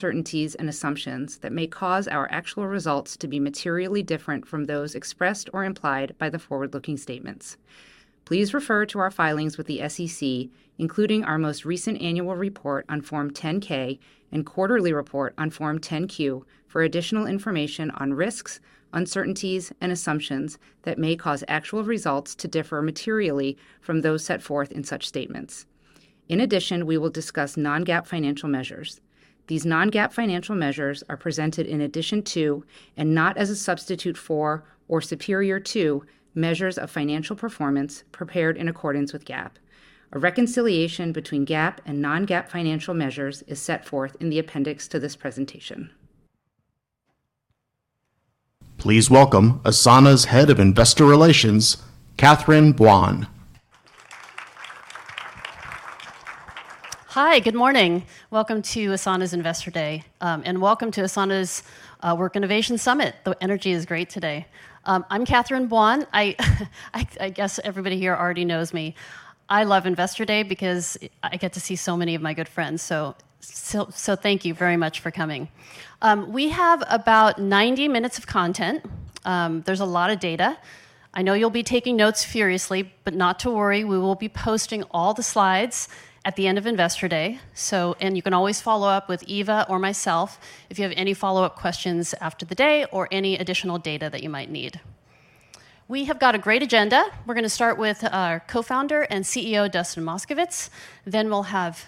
Uncertainties and assumptions that may cause our actual results to be materially different from those expressed or implied by the forward-looking statements. Please refer to our filings with the SEC, including our most recent annual report on Form 10-K and quarterly report on Form 10-Q, for additional information on risks, uncertainties, and assumptions that may cause actual results to differ materially from those set forth in such statements. In addition, we will discuss non-GAAP financial measures. These non-GAAP financial measures are presented in addition to, and not as a substitute for or superior to, measures of financial performance prepared in accordance with GAAP. A reconciliation between GAAP and non-GAAP financial measures is set forth in the appendix to this presentation. Please welcome Asana's Head of Investor Relations, Catherine Buan. Hi, good morning. Welcome to Asana's Investor Day, and welcome to Asana's Work Innovation Summit. The energy is great today. I'm Catherine Buan. I guess everybody here already knows me. I love Investor Day because I get to see so many of my good friends. So thank you very much for coming. We have about 90 minutes of content. There's a lot of data. I know you'll be taking notes furiously, but not to worry, we will be posting all the slides at the end of Investor Day. So... And you can always follow up with Eva or myself if you have any follow-up questions after the day or any additional data that you might need. We have got a great agenda. We're gonna start with our co-founder and CEO, Dustin Moskovitz. Then we'll have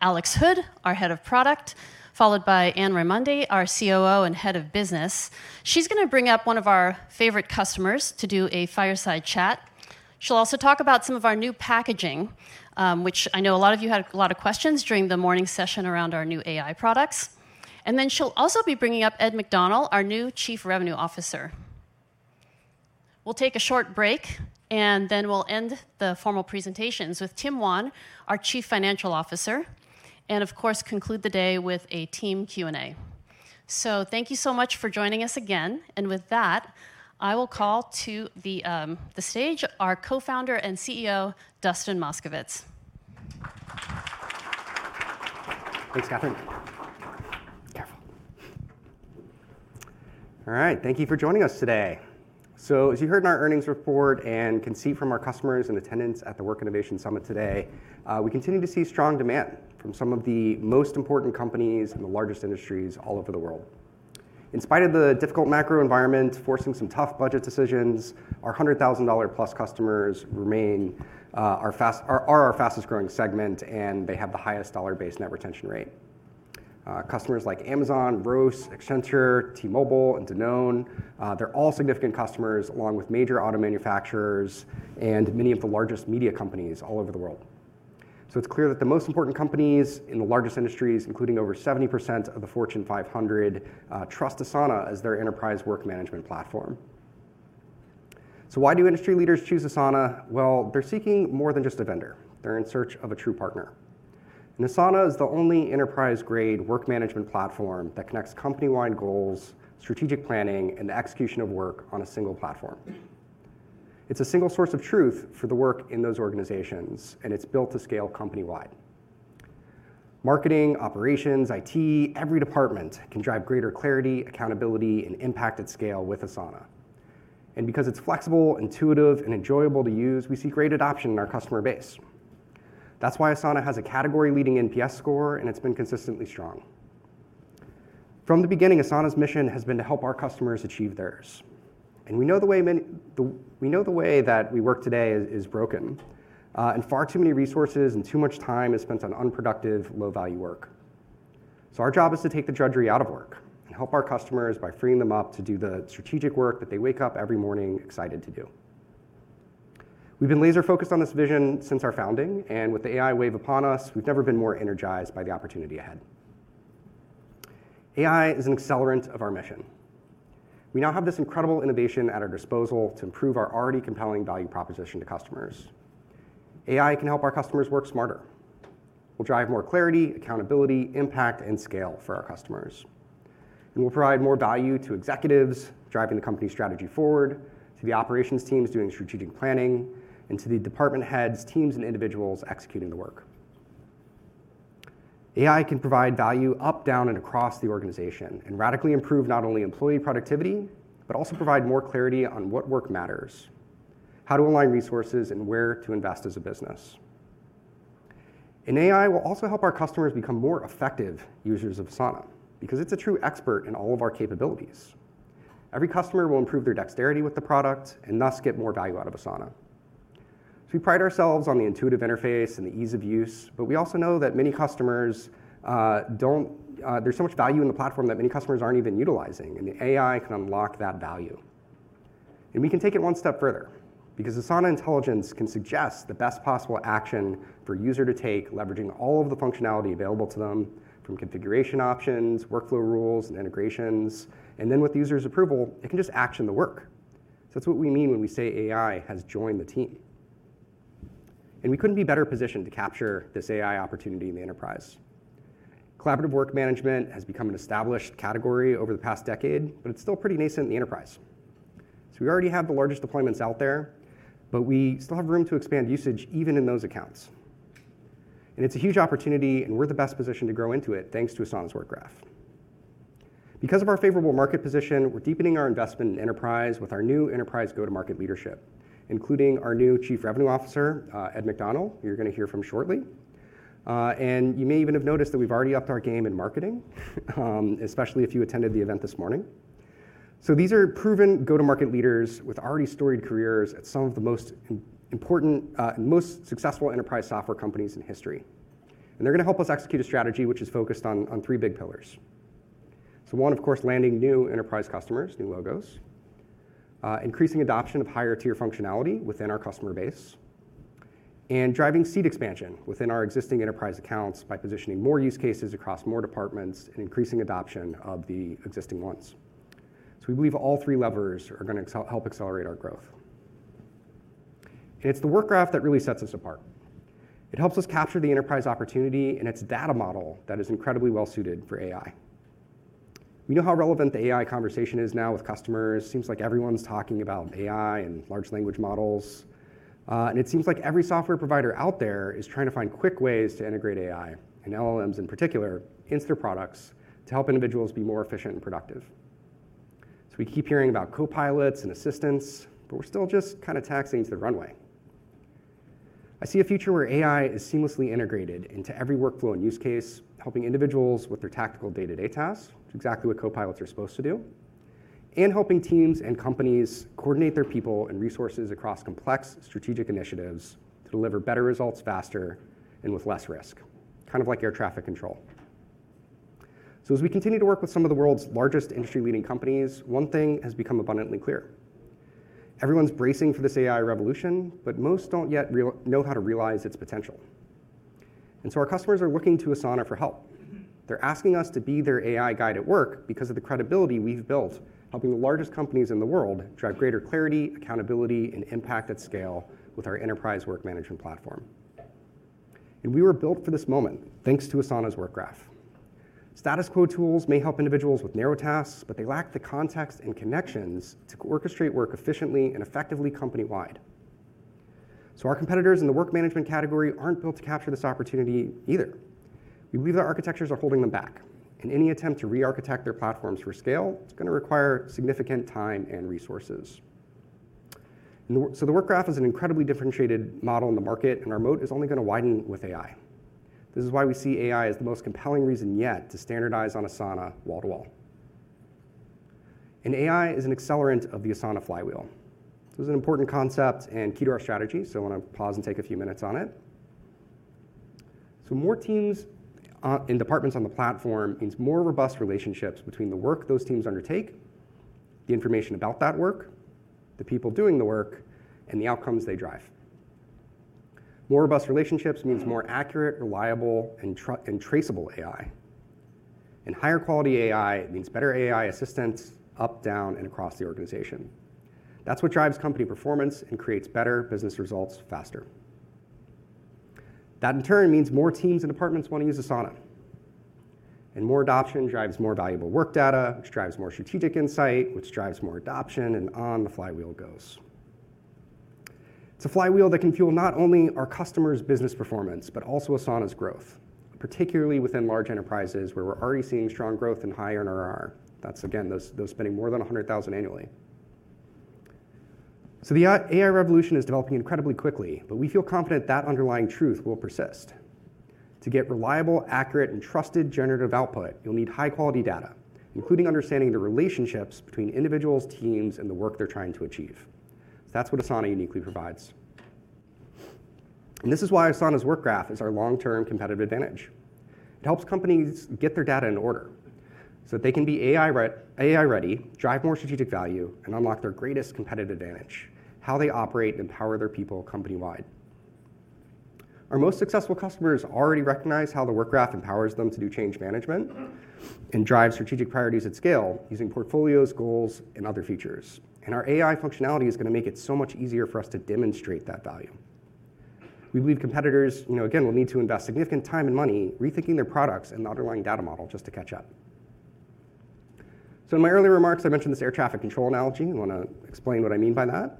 Alex Hood, our Head of Product, followed by Anne Raimondi, our COO and Head of Business. She's gonna bring up one of our favorite customers to do a fireside chat. She'll also talk about some of our new packaging, which I know a lot of you had a lot of questions during the morning session around our new AI products. And then she'll also be bringing up Ed McDonnell, our new Chief Revenue Officer. We'll take a short break, and then we'll end the formal presentations with Tim Wan, our Chief Financial Officer, and of course, conclude the day with a team Q&A. So thank you so much for joining us again, and with that, I will call to the stage our Co-founder and CEO, Dustin Moskovitz. Thanks, Catherine. Careful. All right, thank you for joining us today. So as you heard in our earnings report and can see from our customers in attendance at the Work Innovation Summit today, we continue to see strong demand from some of the most important companies in the largest industries all over the world. In spite of the difficult macro environment forcing some tough budget decisions, our $100,000+ customers remain our fastest growing segment, and they have the highest dollar-based net retention rate. Customers like Amazon, Roche, Accenture, T-Mobile, and Danone, they're all significant customers, along with major auto manufacturers and many of the largest media companies all over the world. So it's clear that the most important companies in the largest industries, including over 70% of the Fortune 500, trust Asana as their enterprise work management platform. So why do industry leaders choose Asana? Well, they're seeking more than just a vendor. They're in search of a true partner. And Asana is the only enterprise-grade work management platform that connects company-wide goals, strategic planning, and the execution of work on a single platform. It's a single source of truth for the work in those organizations, and it's built to scale company-wide. Marketing, operations, IT, every department can drive greater clarity, accountability, and impact at scale with Asana. And because it's flexible, intuitive, and enjoyable to use, we see great adoption in our customer base. That's why Asana has a category-leading NPS score, and it's been consistently strong. From the beginning, Asana's mission has been to help our customers achieve theirs, and we know the way that we work today is broken, and far too many resources and too much time is spent on unproductive, low-value work. So our job is to take the drudgery out of work and help our customers by freeing them up to do the strategic work that they wake up every morning excited to do. We've been laser focused on this vision since our founding, and with the AI wave upon us, we've never been more energized by the opportunity ahead. AI is an accelerant of our mission. We now have this incredible innovation at our disposal to improve our already compelling value proposition to customers. AI can help our customers work smarter. We'll drive more clarity, accountability, impact, and scale for our customers. We'll provide more value to executives driving the company's strategy forward, to the operations teams doing strategic planning, and to the department heads, teams, and individuals executing the work. AI can provide value up, down, and across the organization and radically improve not only employee productivity, but also provide more clarity on what work matters, how to align resources, and where to invest as a business. AI will also help our customers become more effective users of Asana because it's a true expert in all of our capabilities. Every customer will improve their dexterity with the product and thus get more value out of Asana. We pride ourselves on the intuitive interface and the ease of use, but we also know that many customers don't... There's so much value in the platform that many customers aren't even utilizing, and the AI can unlock that value. And we can take it one step further because Asana Intelligence can suggest the best possible action for a user to take, leveraging all of the functionality available to them, from configuration options, workflow rules, and integrations, and then with the user's approval, it can just action the work. So that's what we mean when we say AI has joined the team. And we couldn't be better positioned to capture this AI opportunity in the enterprise. Collaborative work management has become an established category over the past decade, but it's still pretty nascent in the enterprise. So we already have the largest deployments out there, but we still have room to expand usage even in those accounts. And it's a huge opportunity, and we're in the best position to grow into it, thanks to Asana's Work Graph. Because of our favorable market position, we're deepening our investment in enterprise with our new enterprise go-to-market leadership, including our new Chief Revenue Officer, Ed McDonnell, who you're going to hear from shortly. And you may even have noticed that we've already upped our game in marketing, especially if you attended the event this morning. So these are proven go-to-market leaders with already storied careers at some of the most important, and most successful enterprise software companies in history. And they're gonna help us execute a strategy which is focused on three big pillars. So one, of course, landing new enterprise customers, new logos, increasing adoption of higher-tier functionality within our customer base, and driving seat expansion within our existing enterprise accounts by positioning more use cases across more departments and increasing adoption of the existing ones. So we believe all three levers are gonna help accelerate our growth. It's the Work Graph that really sets us apart. It helps us capture the enterprise opportunity, and its data model that is incredibly well suited for AI. We know how relevant the AI conversation is now with customers. Seems like everyone's talking about AI and large language models. And it seems like every software provider out there is trying to find quick ways to integrate AI, and LLMs in particular, into their products to help individuals be more efficient and productive. So we keep hearing about copilots and assistants, but we're still just kind of taxiing to the runway. I see a future where AI is seamlessly integrated into every workflow and use case, helping individuals with their tactical day-to-day tasks, exactly what copilots are supposed to do, and helping teams and companies coordinate their people and resources across complex strategic initiatives to deliver better results faster and with less risk, kind of like air traffic control. So as we continue to work with some of the world's largest industry-leading companies, one thing has become abundantly clear: Everyone's bracing for this AI revolution, but most don't yet really know how to realize its potential. And so our customers are looking to Asana for help. They're asking us to be their AI guide at work because of the credibility we've built, helping the largest companies in the world drive greater clarity, accountability, and impact at scale with our enterprise work management platform. We were built for this moment, thanks to Asana's Work Graph. Status quo tools may help individuals with narrow tasks, but they lack the context and connections to orchestrate work efficiently and effectively company-wide. Our competitors in the work management category aren't built to capture this opportunity either. We believe their architectures are holding them back, and any attempt to rearchitect their platforms for scale, it's gonna require significant time and resources. The Work Graph is an incredibly differentiated model in the market, and our moat is only gonna widen with AI. This is why we see AI as the most compelling reason yet to standardize on Asana wall to wall. AI is an accelerant of the Asana flywheel. This is an important concept and key to our strategy, so I want to pause and take a few minutes on it. So more teams and departments on the platform means more robust relationships between the work those teams undertake, the information about that work, the people doing the work, and the outcomes they drive. More robust relationships means more accurate, reliable, and traceable AI. And higher quality AI means better AI assistants up, down, and across the organization. That's what drives company performance and creates better business results faster. That, in turn, means more teams and departments want to use Asana, and more adoption drives more valuable work data, which drives more strategic insight, which drives more adoption, and on the flywheel goes. It's a flywheel that can fuel not only our customers' business performance, but also Asana's growth, particularly within large enterprises, where we're already seeing strong growth in higher NRR. That's again, those spending more than 100,000 annually. So the AI, AI revolution is developing incredibly quickly, but we feel confident that underlying truth will persist. To get reliable, accurate, and trusted generative output, you'll need high-quality data, including understanding the relationships between individuals, teams, and the work they're trying to achieve. That's what Asana uniquely provides. And this is why Asana's Work Graph is our long-term competitive advantage. It helps companies get their data in order, so they can be AI ready, drive more strategic value, and unlock their greatest competitive advantage: how they operate and power their people company-wide. Our most successful customers already recognize how the Work Graph empowers them to do change management and drive strategic priorities at scale using portfolios, goals, and other features. And our AI functionality is gonna make it so much easier for us to demonstrate that value. We believe competitors, you know, again, will need to invest significant time and money rethinking their products and underlying data model just to catch up. So in my earlier remarks, I mentioned this air traffic control analogy. I want to explain what I mean by that.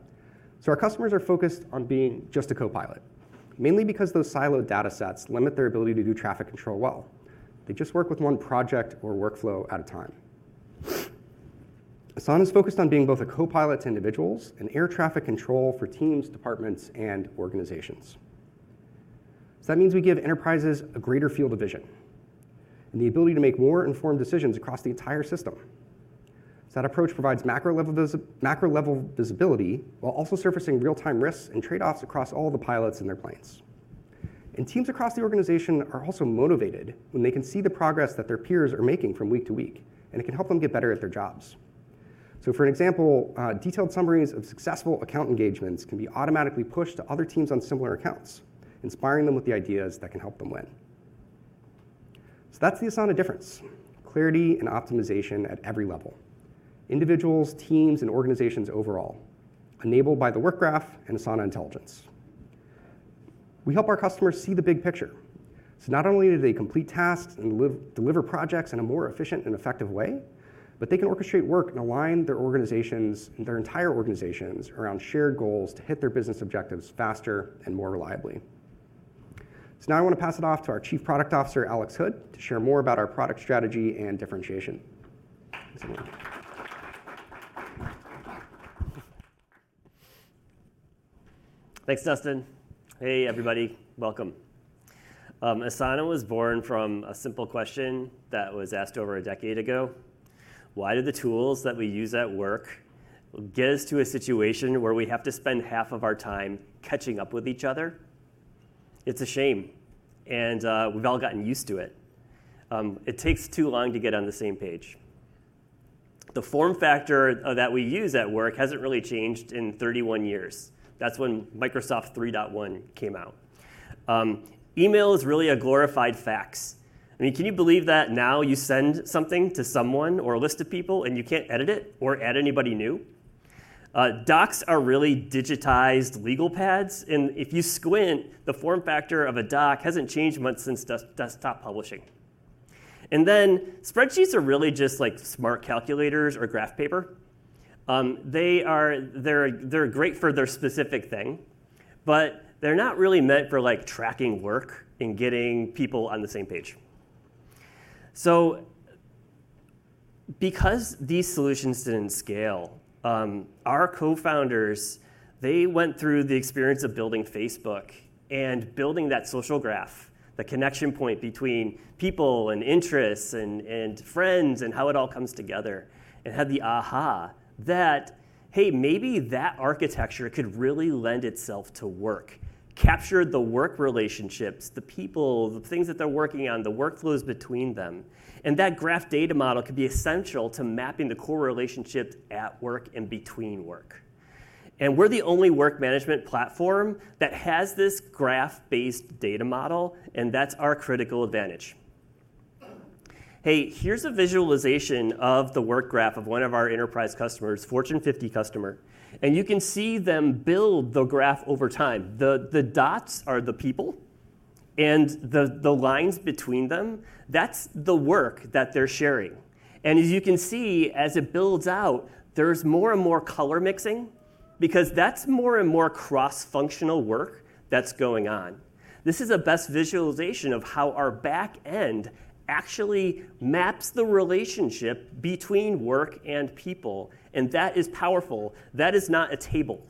So our customers are focused on being just a copilot, mainly because those siloed data sets limit their ability to do traffic control well. They just work with one project or workflow at a time. Asana is focused on being both a copilot to individuals and air traffic control for teams, departments, and organizations. So that means we give enterprises a greater field of vision and the ability to make more informed decisions across the entire system. So that approach provides macro-level visibility, while also surfacing real-time risks and trade-offs across all the pilots and their planes. Teams across the organization are also motivated when they can see the progress that their peers are making from week to week, and it can help them get better at their jobs. So for an example, detailed summaries of successful account engagements can be automatically pushed to other teams on similar accounts, inspiring them with the ideas that can help them win. So that's the Asana difference, clarity and optimization at every level, individuals, teams, and organizations overall, enabled by the Work Graph and Asana Intelligence. We help our customers see the big picture. So not only do they complete tasks and live deliver projects in a more efficient and effective way, but they can orchestrate work and align their organizations, their entire organizations, around shared goals to hit their business objectives faster and more reliably. So now I want to pass it off to our Chief Product Officer, Alex Hood, to share more about our product strategy and differentiation. Thanks, Dustin. Hey, everybody. Welcome. Asana was born from a simple question that was asked over a decade ago: Why do the tools that we use at work get us to a situation where we have to spend half of our time catching up with each other? It's a shame, and we've all gotten used to it. It takes too long to get on the same page. The form factor that we use at work hasn't really changed in 31 years. That's when Microsoft 3.1 came out. Email is really a glorified fax. I mean, can you believe that now you send something to someone or a list of people, and you can't edit it or add anybody new? Docs are really digitized legal pads, and if you squint, the form factor of a doc hasn't changed much since desktop publishing. Then spreadsheets are really just like smart calculators or graph paper. They're great for their specific thing, but they're not really meant for, like, tracking work and getting people on the same page. So because these solutions didn't scale, our co-founders went through the experience of building Facebook and building that social graph, the connection point between people, and interests, and friends, and how it all comes together, and had the aha, that, hey, maybe that architecture could really lend itself to work, capture the work relationships, the people, the things that they're working on, the workflows between them, and that graph data model could be essential to mapping the core relationships at work and between work. And we're the only work management platform that has this graph-based data model, and that's our critical advantage. Hey, here's a visualization of the Work Graph of one of our enterprise customers, Fortune 50 customer, and you can see them build the graph over time. The dots are the people, and the lines between them, that's the work that they're sharing. And as you can see, as it builds out, there's more and more color mixing, because that's more and more cross-functional work that's going on. This is the best visualization of how our back end actually maps the relationship between work and people, and that is powerful. That is not a table.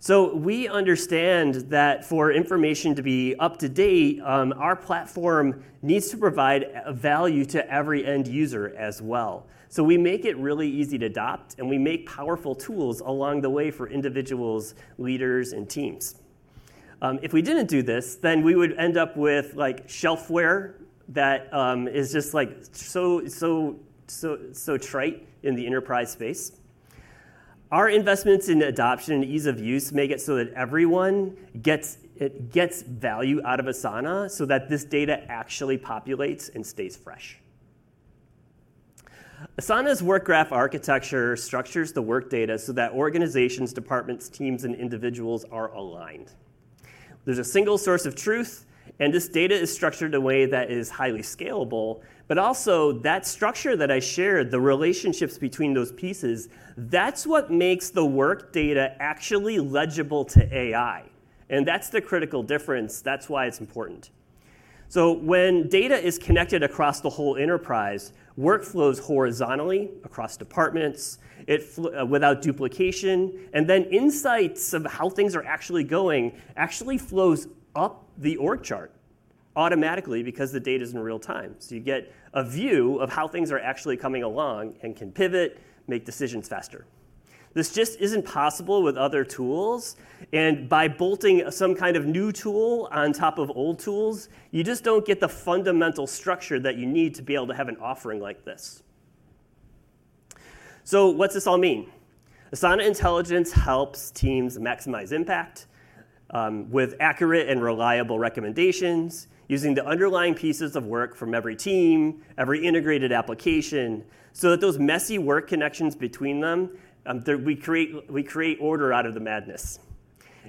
So we understand that for information to be up to date, our platform needs to provide a value to every end user as well. So we make it really easy to adopt, and we make powerful tools along the way for individuals, leaders, and teams. If we didn't do this, then we would end up with, like, shelfware that is just, like, so, so, so, so trite in the enterprise space. Our investments in adoption and ease of use make it so that everyone gets value out of Asana, so that this data actually populates and stays fresh. Asana's Work Graph architecture structures the work data so that organizations, departments, teams, and individuals are aligned. There's a single source of truth, and this data is structured in a way that is highly scalable, but also that structure that I shared, the relationships between those pieces, that's what makes the work data actually legible to AI, and that's the critical difference. That's why it's important. So when data is connected across the whole enterprise, work flows horizontally across departments, it flows without duplication, and then insights of how things are actually going actually flows up the org chart automatically because the data's in real time. So you get a view of how things are actually coming along and can pivot, make decisions faster. This just isn't possible with other tools, and by bolting some kind of new tool on top of old tools, you just don't get the fundamental structure that you need to be able to have an offering like this. So what's this all mean? Asana Intelligence helps teams maximize impact with accurate and reliable recommendations, using the underlying pieces of work from every team, every integrated application, so that those messy work connections between them that we create, we create order out of the madness.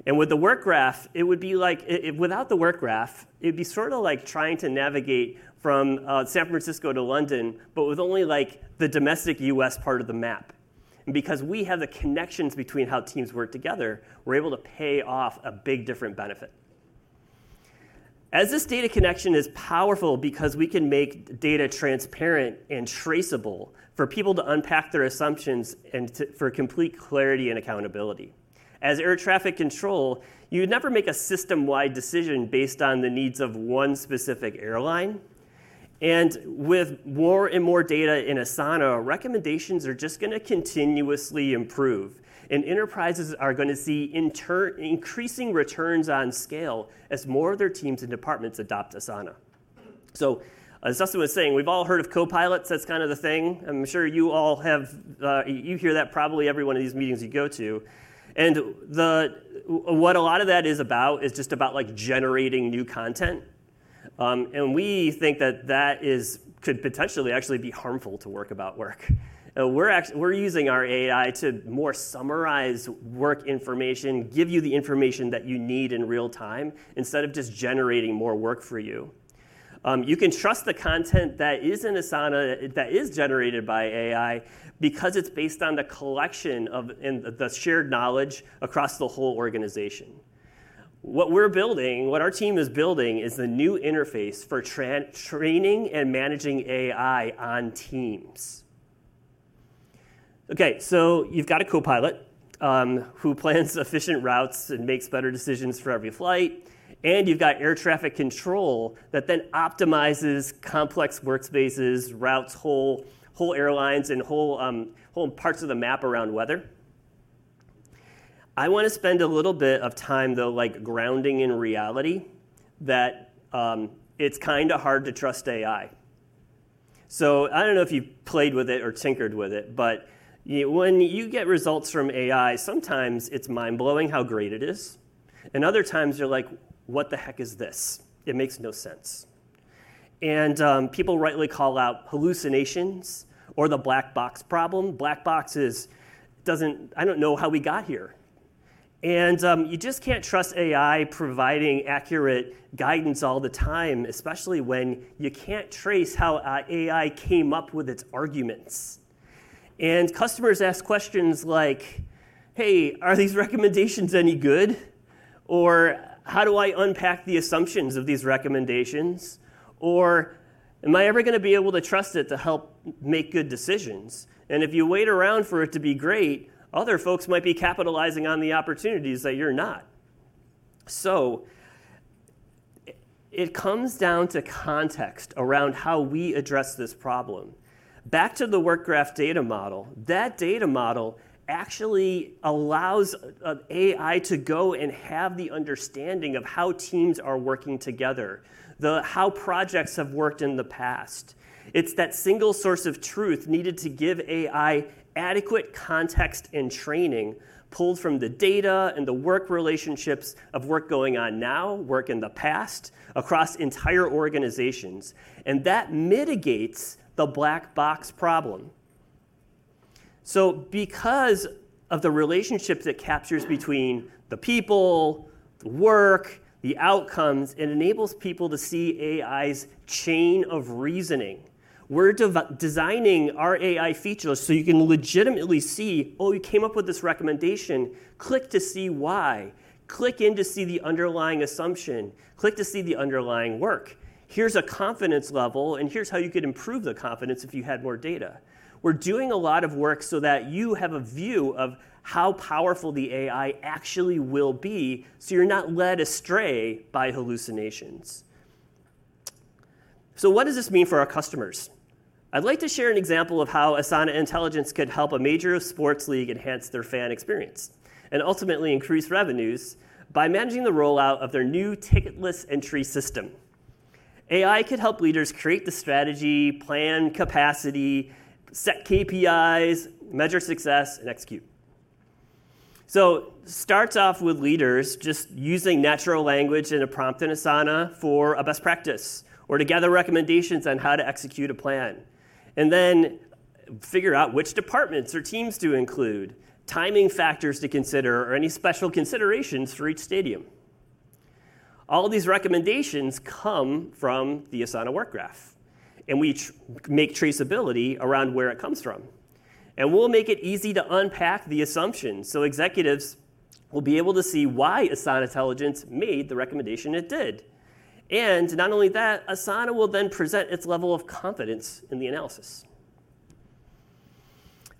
And with the Work Graph, it would be like... without the Work Graph, it'd be sort of like trying to navigate from San Francisco to London, but with only, like, the domestic U.S. part of the map. And because we have the connections between how teams work together, we're able to pay off a big different benefit. As this data connection is powerful because we can make data transparent and traceable for people to unpack their assumptions and to... for complete clarity and accountability. As air traffic control, you'd never make a system-wide decision based on the needs of one specific airline, and with more and more data in Asana, recommendations are just gonna continuously improve, and enterprises are gonna see increasing returns on scale as more of their teams and departments adopt Asana. So as Dustin was saying, we've all heard of Copilots. That's kind of the thing. I'm sure you all have you hear that probably every one of these meetings you go to, and the what a lot of that is about is just about, like, generating new content... and we think that that is could potentially actually be harmful to work about work. We're using our AI to more summarize work information, give you the information that you need in real time, instead of just generating more work for you. You can trust the content that is in Asana, that is generated by AI because it's based on the collection of and the the shared knowledge across the whole organization. What we're building, what our team is building, is the new interface for training and managing AI on teams. Okay, so you've got a copilot who plans efficient routes and makes better decisions for every flight, and you've got air traffic control that then optimizes complex workspaces, routes whole airlines, and whole parts of the map around weather. I wanna spend a little bit of time, though, like grounding in reality that it's kinda hard to trust AI. So I don't know if you've played with it or tinkered with it, but when you get results from AI, sometimes it's mind-blowing how great it is, and other times you're like, "What the heck is this? It makes no sense." And people rightly call out hallucinations or the black box problem. Black box doesn't... I don't know how we got here. You just can't trust AI providing accurate guidance all the time, especially when you can't trace how AI came up with its arguments. And customers ask questions like, "Hey, are these recommendations any good?" Or, "How do I unpack the assumptions of these recommendations?" Or, "Am I ever gonna be able to trust it to help make good decisions?" And if you wait around for it to be great, other folks might be capitalizing on the opportunities that you're not. So it comes down to context around how we address this problem. Back to the Work Graph data model, that data model actually allows AI to go and have the understanding of how teams are working together, the how projects have worked in the past. It's that single source of truth needed to give AI adequate context and training pulled from the data and the work relationships of work going on now, work in the past, across entire organizations, and that mitigates the black box problem. So because of the relationships it captures between the people, the work, the outcomes, it enables people to see AI's chain of reasoning. We're designing our AI features so you can legitimately see, oh, we came up with this recommendation, click to see why. Click in to see the underlying assumption. Click to see the underlying work. Here's a confidence level, and here's how you could improve the confidence if you had more data. We're doing a lot of work so that you have a view of how powerful the AI actually will be, so you're not led astray by hallucinations. So what does this mean for our customers? I'd like to share an example of how Asana Intelligence could help a major sports league enhance their fan experience, and ultimately increase revenues, by managing the rollout of their new ticketless entry system. AI could help leaders create the strategy, plan capacity, set KPIs, measure success, and execute. So starts off with leaders just using natural language in a prompt in Asana for a best practice, or to gather recommendations on how to execute a plan. And then figure out which departments or teams to include, timing factors to consider, or any special considerations for each stadium. All of these recommendations come from the Asana Work Graph, and we make traceability around where it comes from. And we'll make it easy to unpack the assumptions, so executives will be able to see why Asana Intelligence made the recommendation it did. Not only that, Asana will then present its level of confidence in the analysis.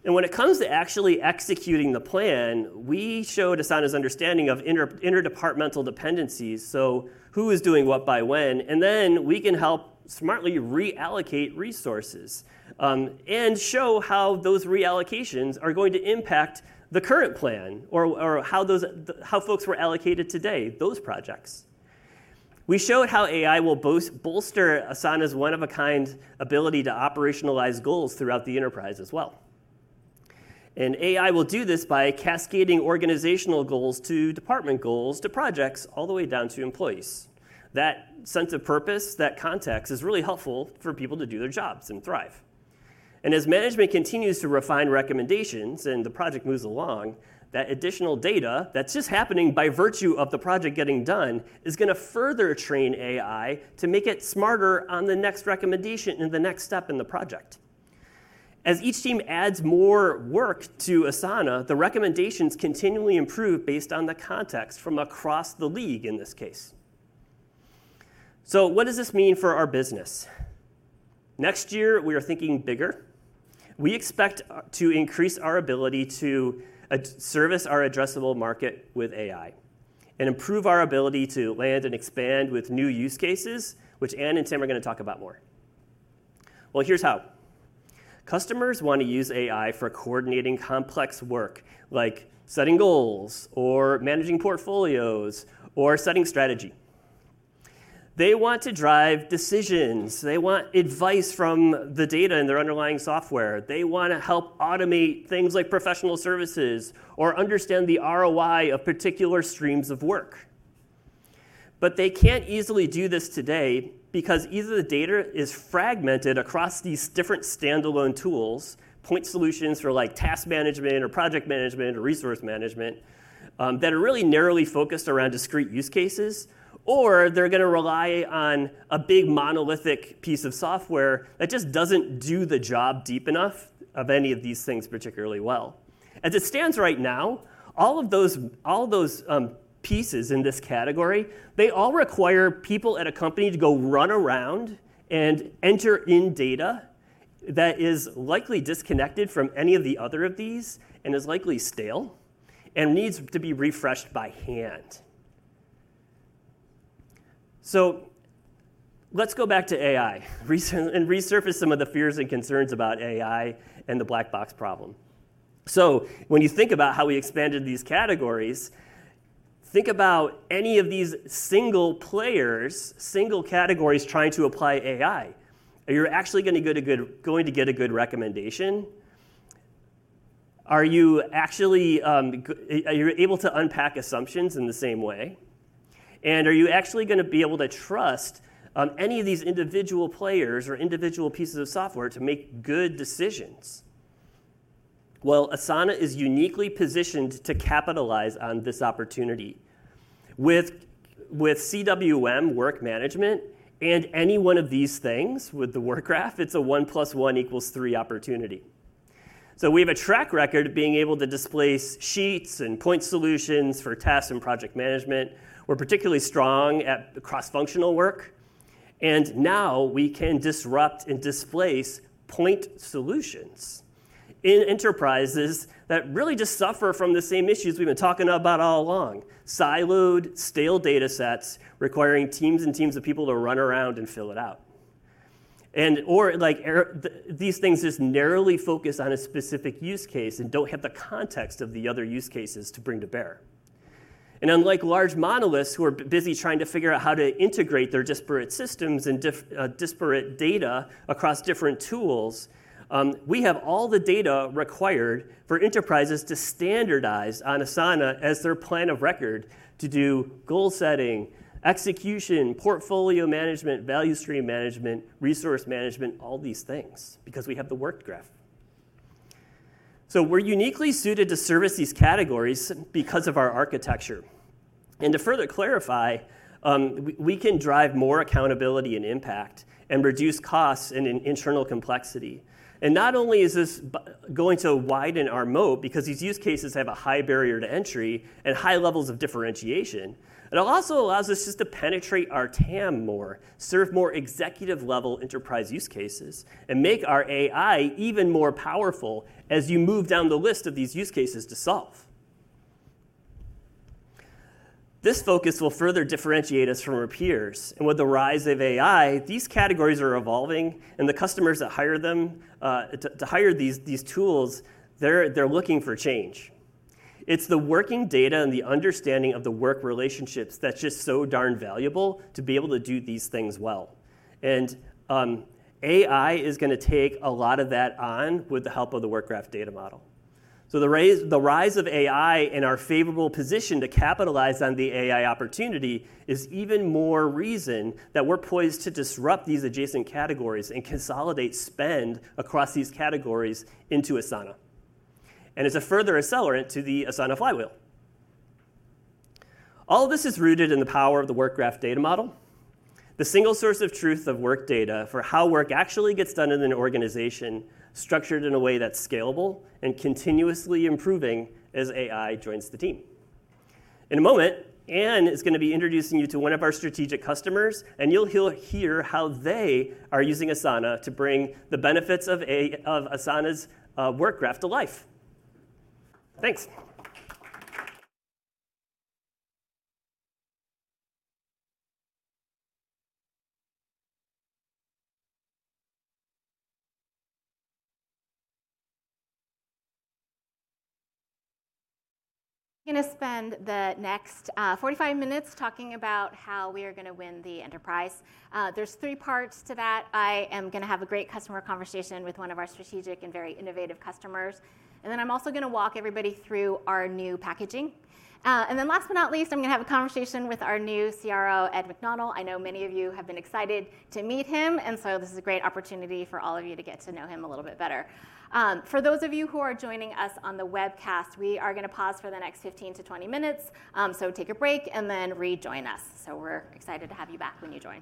When it comes to actually executing the plan, we show Asana's understanding of interdepartmental dependencies, so who is doing what by when, and then we can help smartly reallocate resources, and show how those reallocations are going to impact the current plan or, or how those, the, how folks were allocated today, those projects. We show how AI will bolster Asana's one-of-a-kind ability to operationalize goals throughout the enterprise as well. AI will do this by cascading organizational goals to department goals, to projects, all the way down to employees. That sense of purpose, that context, is really helpful for people to do their jobs and thrive. As management continues to refine recommendations, and the project moves along, that additional data, that's just happening by virtue of the project getting done, is gonna further train AI to make it smarter on the next recommendation and the next step in the project. As each team adds more work to Asana, the recommendations continually improve based on the context from across the league, in this case. So what does this mean for our business? Next year, we are thinking bigger. We expect to increase our ability to service our addressable market with AI and improve our ability to land and expand with new use cases, which Anne and Tim are gonna talk about more. Well, here's how. Customers wanna use AI for coordinating complex work, like setting goals or managing portfolios or setting strategy. They want to drive decisions. They want advice from the data in their underlying software. They wanna help automate things like professional services or understand the ROI of particular streams of work... but they can't easily do this today because either the data is fragmented across these different standalone tools, point solutions for, like, task management or project management or resource management, that are really narrowly focused around discrete use cases, or they're gonna rely on a big, monolithic piece of software that just doesn't do the job deep enough of any of these things particularly well. As it stands right now, all of those, all those, pieces in this category, they all require people at a company to go run around and enter in data that is likely disconnected from any of the other of these, and is likely stale, and needs to be refreshed by hand. So let's go back to AI, resurface some of the fears and concerns about AI and the black box problem. So when you think about how we expanded these categories, think about any of these single players, single categories trying to apply AI. Are you actually going to get a good recommendation? Are you actually able to unpack assumptions in the same way? And are you actually going to be able to trust any of these individual players or individual pieces of software to make good decisions? Well, Asana is uniquely positioned to capitalize on this opportunity. With CWM work management and any one of these things with the Work Graph, it's a 1 plus 1 equals 3 opportunity. So we have a track record of being able to displace sheets and point solutions for tasks and project management. We're particularly strong at cross-functional work, and now we can disrupt and displace point solutions in enterprises that really just suffer from the same issues we've been talking about all along: siloed, stale data sets requiring teams and teams of people to run around and fill it out. And/or, like, these things just narrowly focus on a specific use case and don't have the context of the other use cases to bring to bear. And unlike large monoliths who are busy trying to figure out how to integrate their disparate systems and disparate data across different tools, we have all the data required for enterprises to standardize on Asana as their plan of record to do goal setting, execution, portfolio management, value stream management, resource management, all these things, because we have the Work Graph. So we're uniquely suited to service these categories because of our architecture. To further clarify, we can drive more accountability and impact, and reduce costs and internal complexity. Not only is this going to widen our moat because these use cases have a high barrier to entry and high levels of differentiation, it also allows us just to penetrate our TAM more, serve more executive-level enterprise use cases, and make our AI even more powerful as you move down the list of these use cases to solve. This focus will further differentiate us from our peers, and with the rise of AI, these categories are evolving, and the customers that hire them to hire these tools, they're looking for change. It's the working data and the understanding of the work relationships that's just so darn valuable to be able to do these things well. And, AI is gonna take a lot of that on with the help of the Work Graph data model. So the rise of AI and our favorable position to capitalize on the AI opportunity is even more reason that we're poised to disrupt these adjacent categories and consolidate spend across these categories into Asana, and is a further accelerant to the Asana flywheel. All of this is rooted in the power of the Work Graph data model, the single source of truth of work data for how work actually gets done in an organization, structured in a way that's scalable and continuously improving as AI joins the team. In a moment, Anne is gonna be introducing you to one of our strategic customers, and you'll hear how they are using Asana to bring the benefits of Asana's Work Graph to life. Thanks.... gonna spend the next 45 minutes talking about how we are gonna win the enterprise. There's three parts to that. I am gonna have a great customer conversation with one of our strategic and very innovative customers, and then I'm also gonna walk everybody through our new packaging. And then last but not least, I'm gonna have a conversation with our new CRO, Ed McDonnell. I know many of you have been excited to meet him, and so this is a great opportunity for all of you to get to know him a little bit better. For those of you who are joining us on the webcast, we are gonna pause for the next 15-20 minutes, so take a break and then rejoin us. So we're excited to have you back when you join.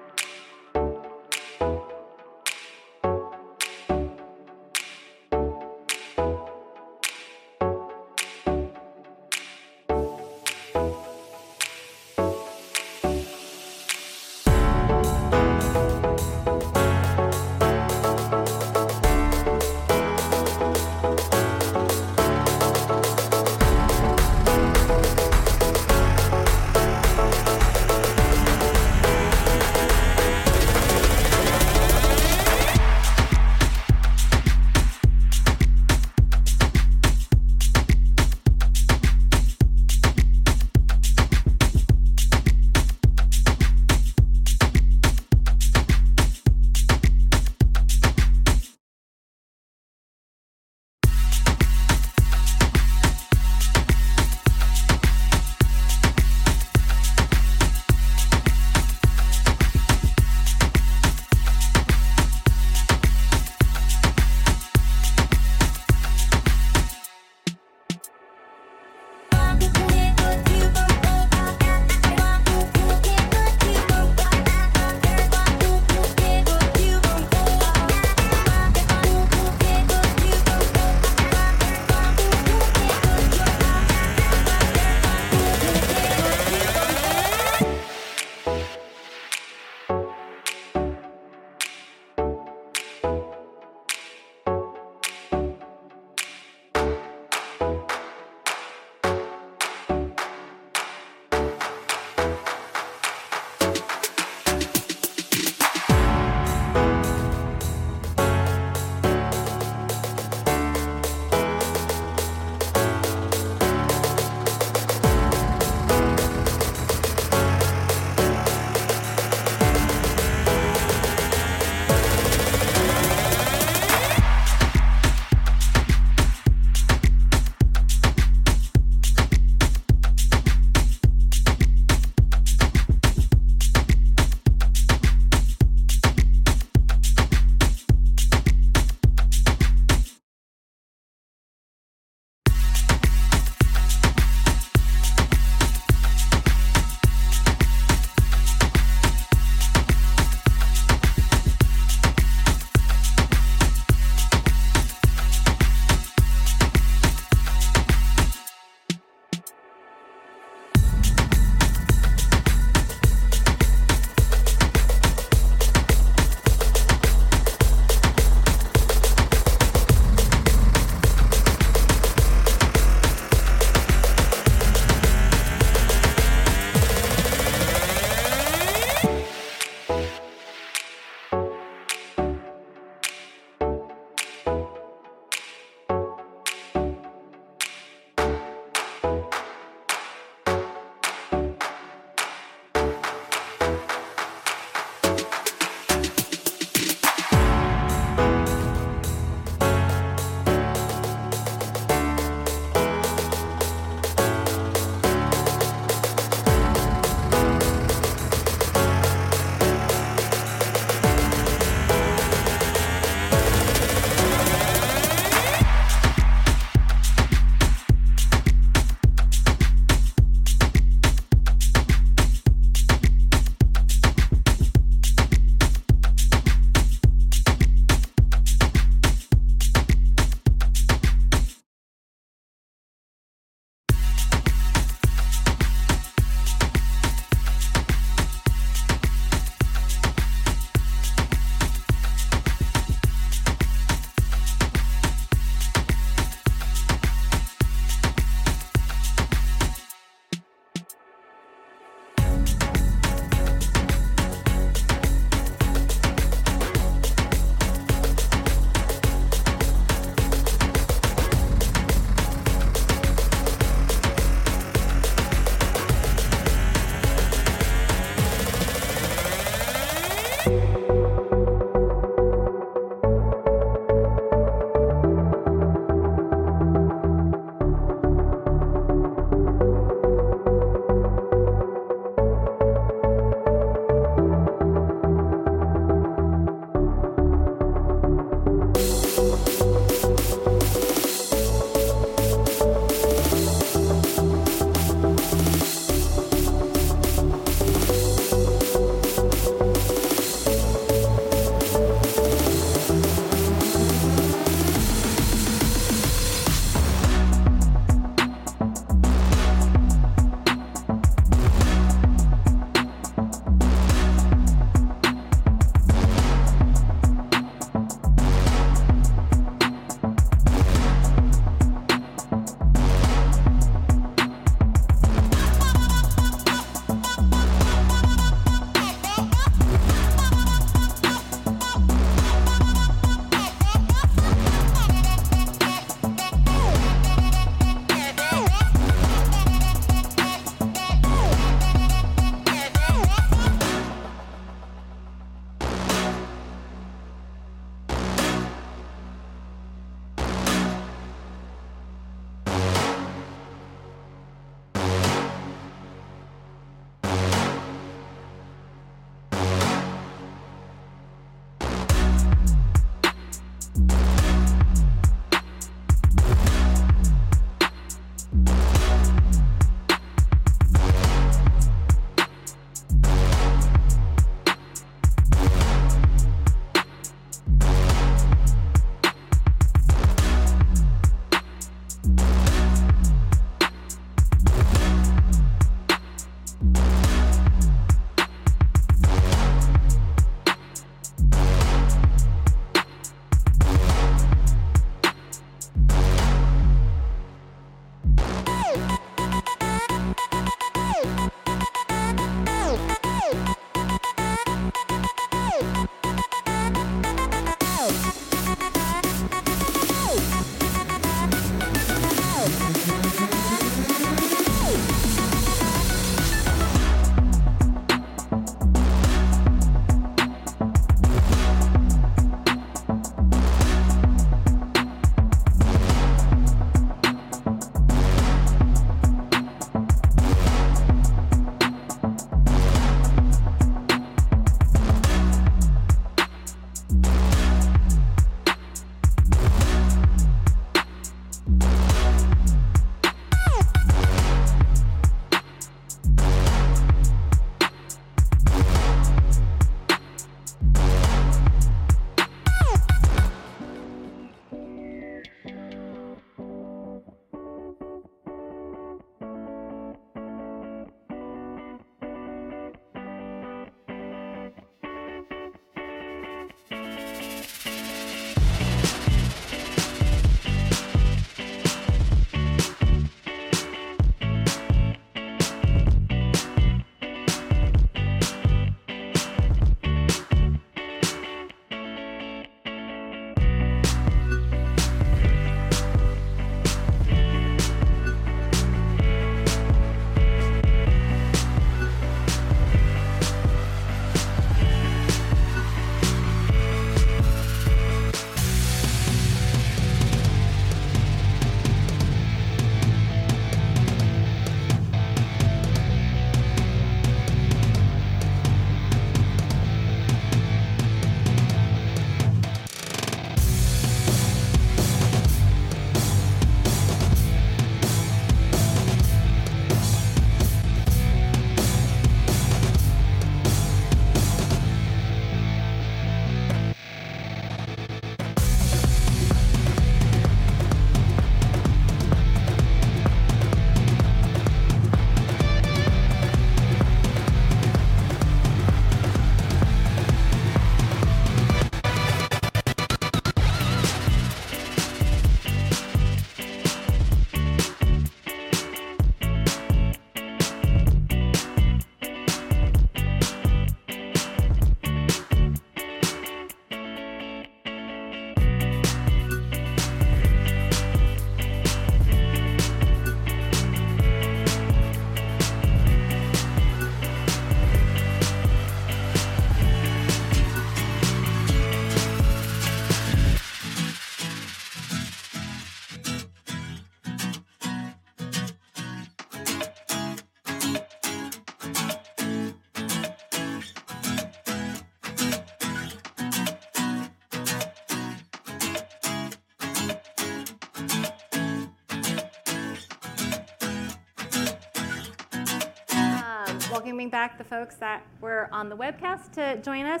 Welcoming back the folks that were on the webcast to join us.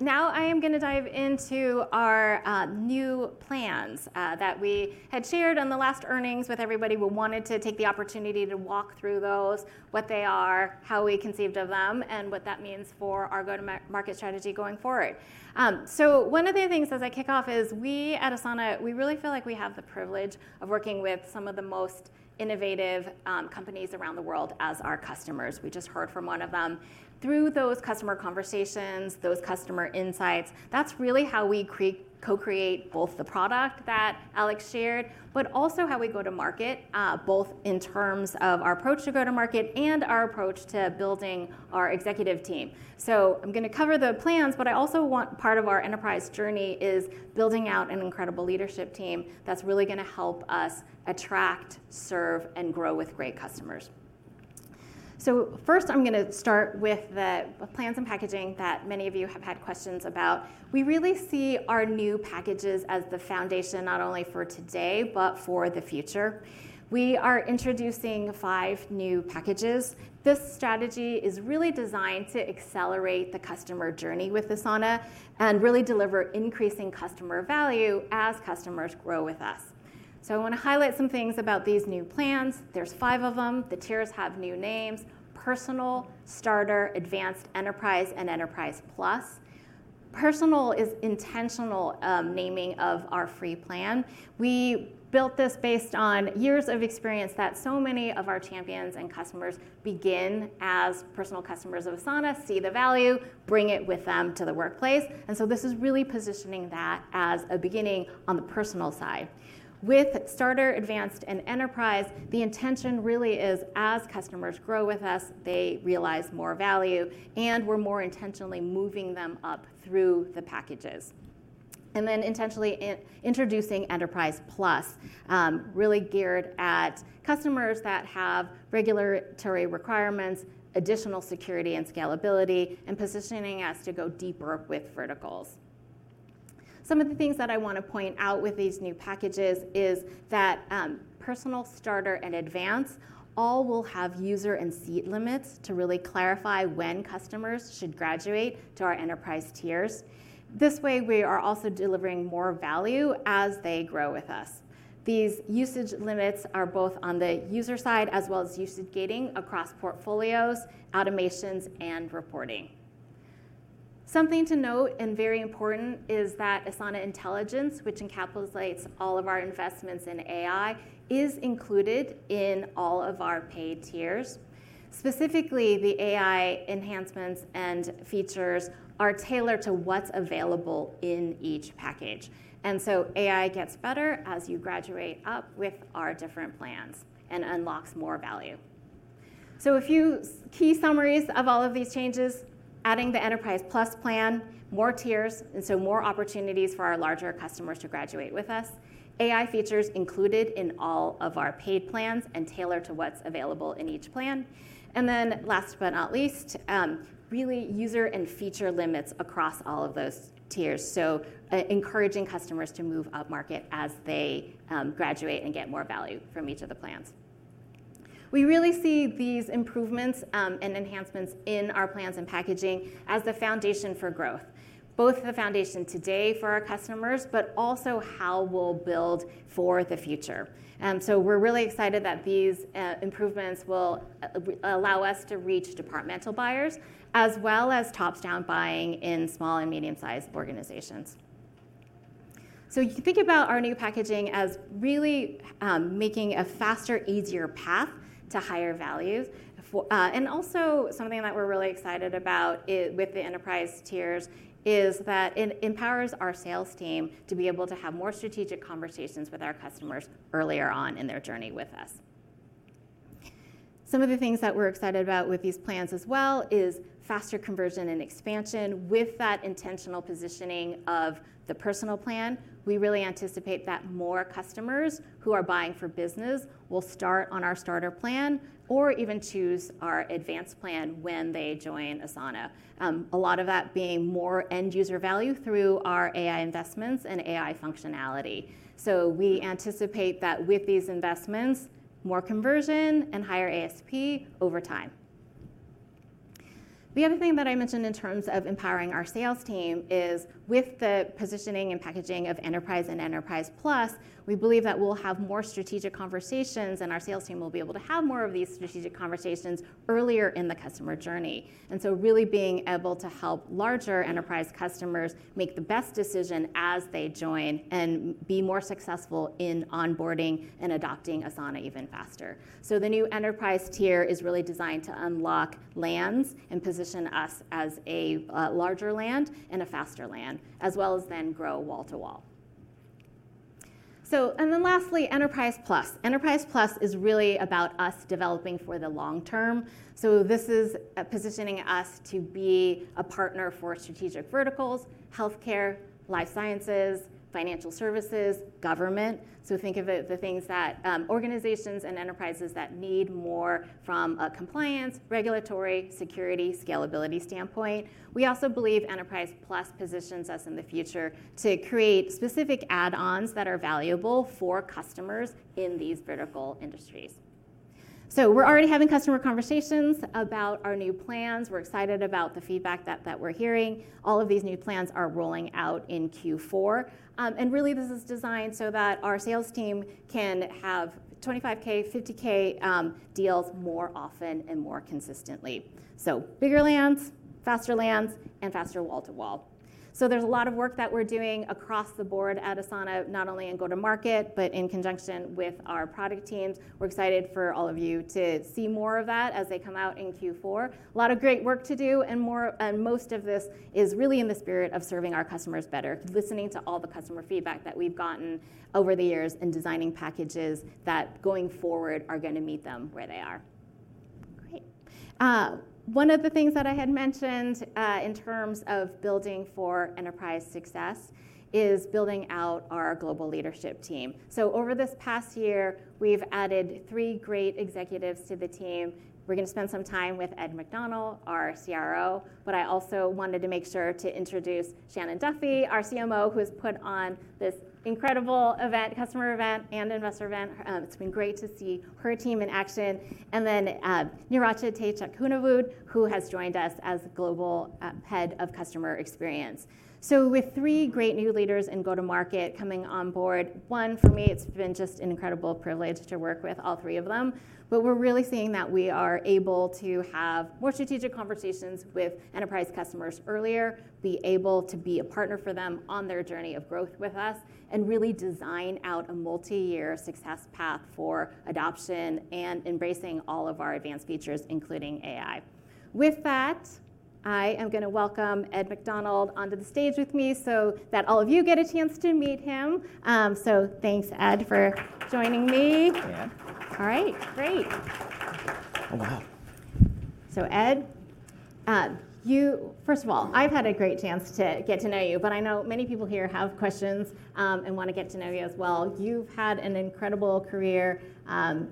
Now I am gonna dive into our new plans that we had shared on the last earnings with everybody. We wanted to take the opportunity to walk through those, what they are, how we conceived of them, and what that means for our go-to-market strategy going forward. So one of the things as I kick off is we at Asana, we really feel like we have the privilege of working with some of the most innovative companies around the world as our customers. We just heard from one of them. Through those customer conversations, those customer insights, that's really how we create, co-create both the product that Alex shared, but also how we go to market, both in terms of our approach to go-to-market and our approach to building our executive team. So I'm gonna cover the plans, but I also want... part of our enterprise journey is building out an incredible leadership team that's really gonna help us attract, serve, and grow with great customers. So first, I'm gonna start with the plans and packaging that many of you have had questions about. We really see our new packages as the foundation, not only for today, but for the future. We are introducing five new packages. This strategy is really designed to accelerate the customer journey with Asana and really deliver increasing customer value as customers grow with us... So I want to highlight some things about these new plans. There's five of them. The tiers have new names: Personal, Starter, Advanced, Enterprise, and Enterprise Plus. Personal is intentional naming of our free plan. We built this based on years of experience that so many of our champions and customers begin as Personal customers of Asana, see the value, bring it with them to the workplace, and so this is really positioning that as a beginning on the Personal side. With Starter, Advanced, and Enterprise, the intention really is as customers grow with us, they realize more value, and we're more intentionally moving them up through the packages. And then intentionally introducing Enterprise Plus, really geared at customers that have regulatory requirements, additional security and scalability, and positioning us to go deeper with verticals. Some of the things that I want to point out with these new packages is that Personal, Starter, and Advanced all will have user and seat limits to really clarify when customers should graduate to our Enterprise tiers. This way, we are also delivering more value as they grow with us. These usage limits are both on the user side as well as usage gating across portfolios, automations, and reporting. Something to note, and very important, is that Asana Intelligence, which encapsulates all of our investments in AI, is included in all of our paid tiers. Specifically, the AI enhancements and features are tailored to what's available in each package, and so AI gets better as you graduate up with our different plans and unlocks more value. So a few key summaries of all of these changes: adding the Enterprise Plus plan, more tiers, and so more opportunities for our larger customers to graduate with us, AI features included in all of our paid plans and tailored to what's available in each plan, and then last but not least, really user and feature limits across all of those tiers, so encouraging customers to move upmarket as they graduate and get more value from each of the plans. We really see these improvements and enhancements in our plans and packaging as the foundation for growth, both the foundation today for our customers, but also how we'll build for the future. And so we're really excited that these improvements will allow us to reach departmental buyers, as well as tops-down buying in small and medium-sized organizations. So you can think about our new packaging as really making a faster, easier path to higher values. And also, something that we're really excited about with the Enterprise tiers is that it empowers our sales team to be able to have more strategic conversations with our customers earlier on in their journey with us. Some of the things that we're excited about with these plans as well is faster conversion and expansion. With that intentional positioning of the Personal plan, we really anticipate that more customers who are buying for business will start on our Starter plan or even choose our Advanced plan when they join Asana, a lot of that being more end-user value through our AI investments and AI functionality. So we anticipate that with these investments, more conversion and higher ASP over time. The other thing that I mentioned in terms of empowering our sales team is with the positioning and packaging of Enterprise and Enterprise Plus, we believe that we'll have more strategic conversations, and our sales team will be able to have more of these strategic conversations earlier in the customer journey, and so really being able to help larger Enterprise customers make the best decision as they join and be more successful in onboarding and adopting Asana even faster. So the new Enterprise tier is really designed to unlock lands and position us as a larger land and a faster land, as well as then grow wall to wall. So, and then lastly, Enterprise Plus. Enterprise Plus is really about us developing for the long term, so this is positioning us to be a partner for strategic verticals, healthcare, life sciences, financial services, government. So think of it, the things that, organizations and enterprises that need more from a compliance, regulatory, security, scalability standpoint. We also believe Enterprise Plus positions us in the future to create specific add-ons that are valuable for customers in these vertical industries. So we're already having customer conversations about our new plans. We're excited about the feedback that, that we're hearing. All of these new plans are rolling out in Q4. And really, this is designed so that our sales team can have $25K, $50K deals more often and more consistently. So bigger lands, faster lands, and faster wall to wall. So there's a lot of work that we're doing across the board at Asana, not only in go-to-market, but in conjunction with our product teams. We're excited for all of you to see more of that as they come out in Q4. A lot of great work to do, and more, and most of this is really in the spirit of serving our customers better, listening to all the customer feedback that we've gotten over the years, and designing packages that, going forward, are going to meet them where they are. Great. One of the things that I had mentioned in terms of building for enterprise success is building out our global leadership team. So over this past year, we've added three great executives to the team. We're going to spend some time with Ed McDonnell, our CRO, but I also wanted to make sure to introduce Shannon Duffy, our CMO, who has put on this incredible event, customer event and investor event. It's been great to see her team in action. And then, Neeracha Taychakunavudh, who has joined us as Global Head of Customer Experience. So with three great new leaders in go-to-market coming on board, one, for me, it's been just an incredible privilege to work with all three of them. But we're really seeing that we are able to have more strategic conversations with Enterprise customers earlier, be able to be a partner for them on their journey of growth with us, and really design out a multi-year success path for adoption and embracing all of our advanced features, including AI. With that, I am going to welcome Ed McDonnell onto the stage with me so that all of you get a chance to meet him. So thanks, Ed, for joining me. Yeah. All right, great. Oh, wow! So Ed, first of all, I've had a great chance to get to know you, but I know many people here have questions and want to get to know you as well. You've had an incredible career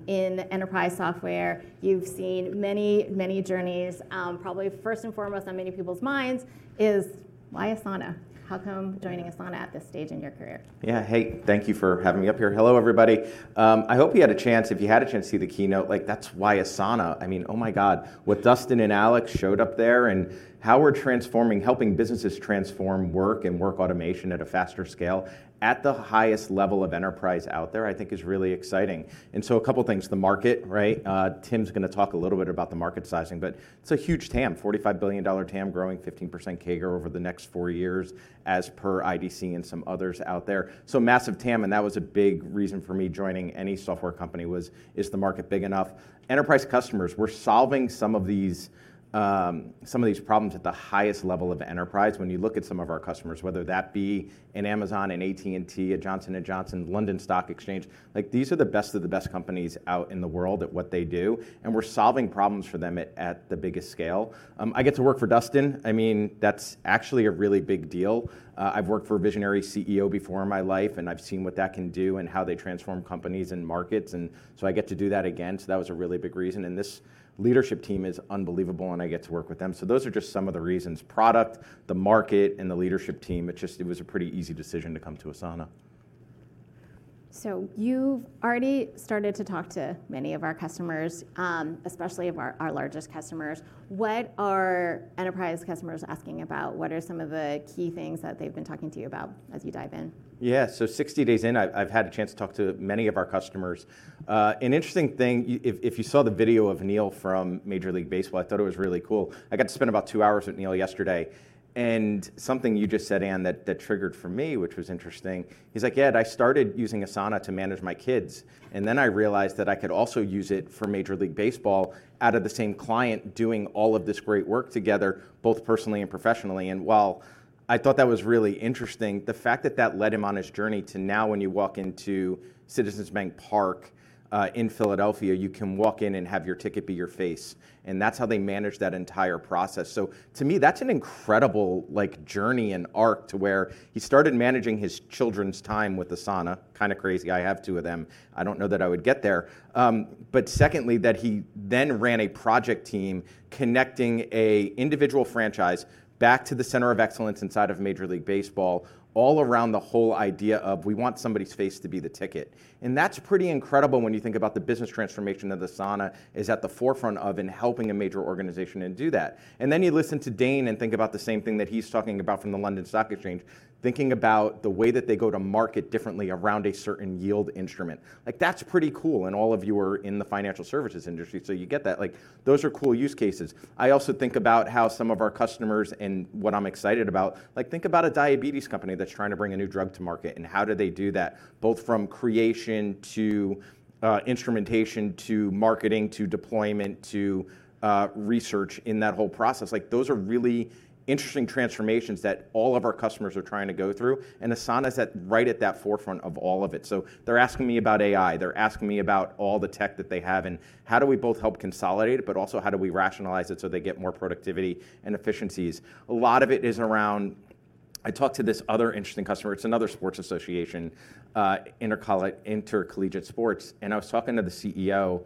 in enterprise software. You've seen many, many journeys. Probably first and foremost on many people's minds is, why Asana? How come joining Asana at this stage in your career? Yeah. Hey, thank you for having me up here. Hello, everybody. I hope you had a chance, if you had a chance to see the keynote, like, that's why Asana. I mean, oh, my God, what Dustin and Alex showed up there and how we're transforming, helping businesses transform work and work automation at a faster scale at the highest level of enterprise out there, I think is really exciting. And so a couple of things, the market, right? Tim's going to talk a little bit about the market sizing, but it's a huge TAM, $45 billion TAM, growing 15% CAGR over the next four years as per IDC and some others out there. So massive TAM, and that was a big reason for me joining any software company was, is the market big enough? Enterprise customers, we're solving some of these, some of these problems at the highest level of enterprise. When you look at some of our customers, whether that be an Amazon, an AT&T, a Johnson & Johnson, London Stock Exchange, like these are the best of the best companies out in the world at what they do, and we're solving problems for them at the biggest scale. I get to work for Dustin. I mean, that's actually a really big deal. I've worked for a visionary CEO before in my life, and I've seen what that can do and how they transform companies and markets, and so I get to do that again. So that was a really big reason, and this leadership team is unbelievable, and I get to work with them. So those are just some of the reasons: product, the market, and the leadership team. It just, it was a pretty easy decision to come to Asana. So you've already started to talk to many of our customers, especially of our largest customers. What are enterprise customers asking about? What are some of the key things that they've been talking to you about as you dive in? Yeah. So 60 days in, I've had a chance to talk to many of our customers. An interesting thing, if you saw the video of Neil from Major League Baseball, I thought it was really cool. I got to spend about two hours with Neil yesterday, and something you just said, Anne, that triggered for me, which was interesting. He's like, "Yeah, I started using Asana to manage my kids, and then I realized that I could also use it for Major League Baseball out of the same client, doing all of this great work together, both personally and professionally." And while I thought that was really interesting, the fact that that led him on his journey to now when you walk into Citizens Bank Park in Philadelphia, you can walk in and have your ticket be your face, and that's how they managed that entire process. So to me, that's an incredible, like, journey and arc to where he started managing his children's time with Asana. Kind of crazy. I have two of them. I don't know that I would get there. But secondly, that he then ran a project team connecting a individual franchise back to the center of excellence inside of Major League Baseball, all around the whole idea of, we want somebody's face to be the ticket, and that's pretty incredible when you think about the business transformation that Asana is at the forefront of in helping a major organization and do that. And then you listen to Dane and think about the same thing that he's talking about from the London Stock Exchange, thinking about the way that they go to market differently around a certain yield instrument. Like, that's pretty cool, and all of you are in the financial services industry, so you get that. Like, those are cool use cases. I also think about how some of our customers and what I'm excited about, like, think about a diabetes company that's trying to bring a new drug to market, and how do they do that, both from creation to, instrumentation, to marketing, to deployment to, research in that whole process? Like, those are really interesting transformations that all of our customers are trying to go through, and Asana is at, right at that forefront of all of it. So they're asking me about AI, they're asking me about all the tech that they have, and how do we both help consolidate, but also how do we rationalize it so they get more productivity and efficiencies? A lot of it is around... I talked to this other interesting customer, it's another sports association, intercollegiate sports, and I was talking to the CEO,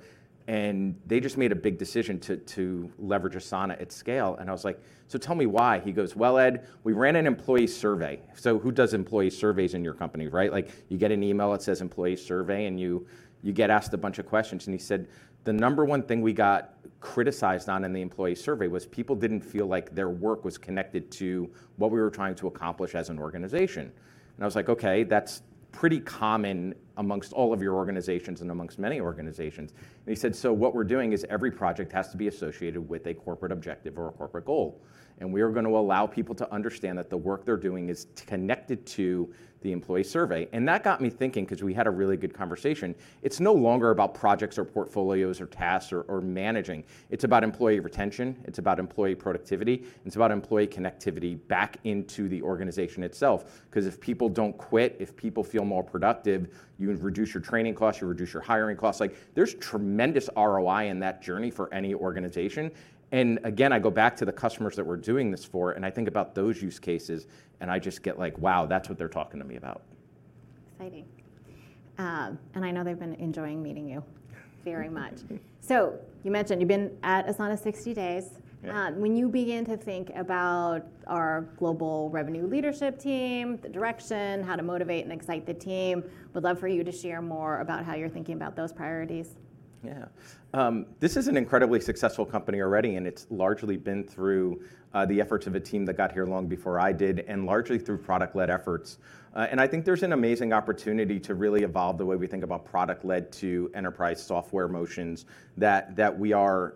and they just made a big decision to leverage Asana at scale. And I was like: "So tell me why?" He goes, "Well, Ed, we ran an employee survey." So who does employee surveys in your company, right? Like, you get an email that says employee survey, and you get asked a bunch of questions. And he said, "The number one thing we got criticized on in the employee survey was people didn't feel like their work was connected to what we were trying to accomplish as an organization." And I was like, "Okay, that's pretty common amongst all of your organizations and amongst many organizations." And he said, "So what we're doing is every project has to be associated with a corporate objective or a corporate goal, and we are going to allow people to understand that the work they're doing is connected to the employee survey." And that got me thinking because we had a really good conversation. It's no longer about projects or portfolios or tasks or managing. It's about employee retention, it's about employee productivity, and it's about employee connectivity back into the organization itself. 'Cause if people don't quit, if people feel more productive, you reduce your training costs, you reduce your hiring costs. Like, there's tremendous ROI in that journey for any organization. And again, I go back to the customers that we're doing this for, and I think about those use cases, and I just get like, wow, that's what they're talking to me about. Exciting. I know they've been enjoying meeting you- Yeah. Very much. So you mentioned you've been at Asana 60 days. Yeah. When you begin to think about our global revenue leadership team, the direction, how to motivate and excite the team, would love for you to share more about how you're thinking about those priorities. This is an incredibly successful company already, and it's largely been through the efforts of a team that got here long before I did, and largely through product-led efforts. And I think there's an amazing opportunity to really evolve the way we think about product-led to enterprise software motions that we are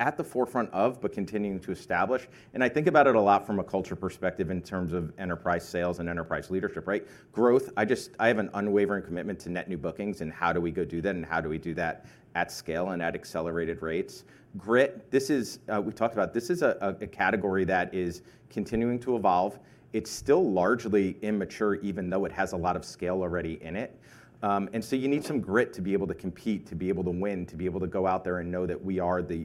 at the forefront of, but continuing to establish. And I think about it a lot from a culture perspective in terms of enterprise sales and enterprise leadership, right? Growth, I just have an unwavering commitment to net new bookings, and how do we go do that, and how do we do that at scale and at accelerated rates? Grit, this is, we talked about, this is a category that is continuing to evolve. It's still largely immature, even though it has a lot of scale already in it. And so you need some grit to be able to compete, to be able to win, to be able to go out there and know that we are the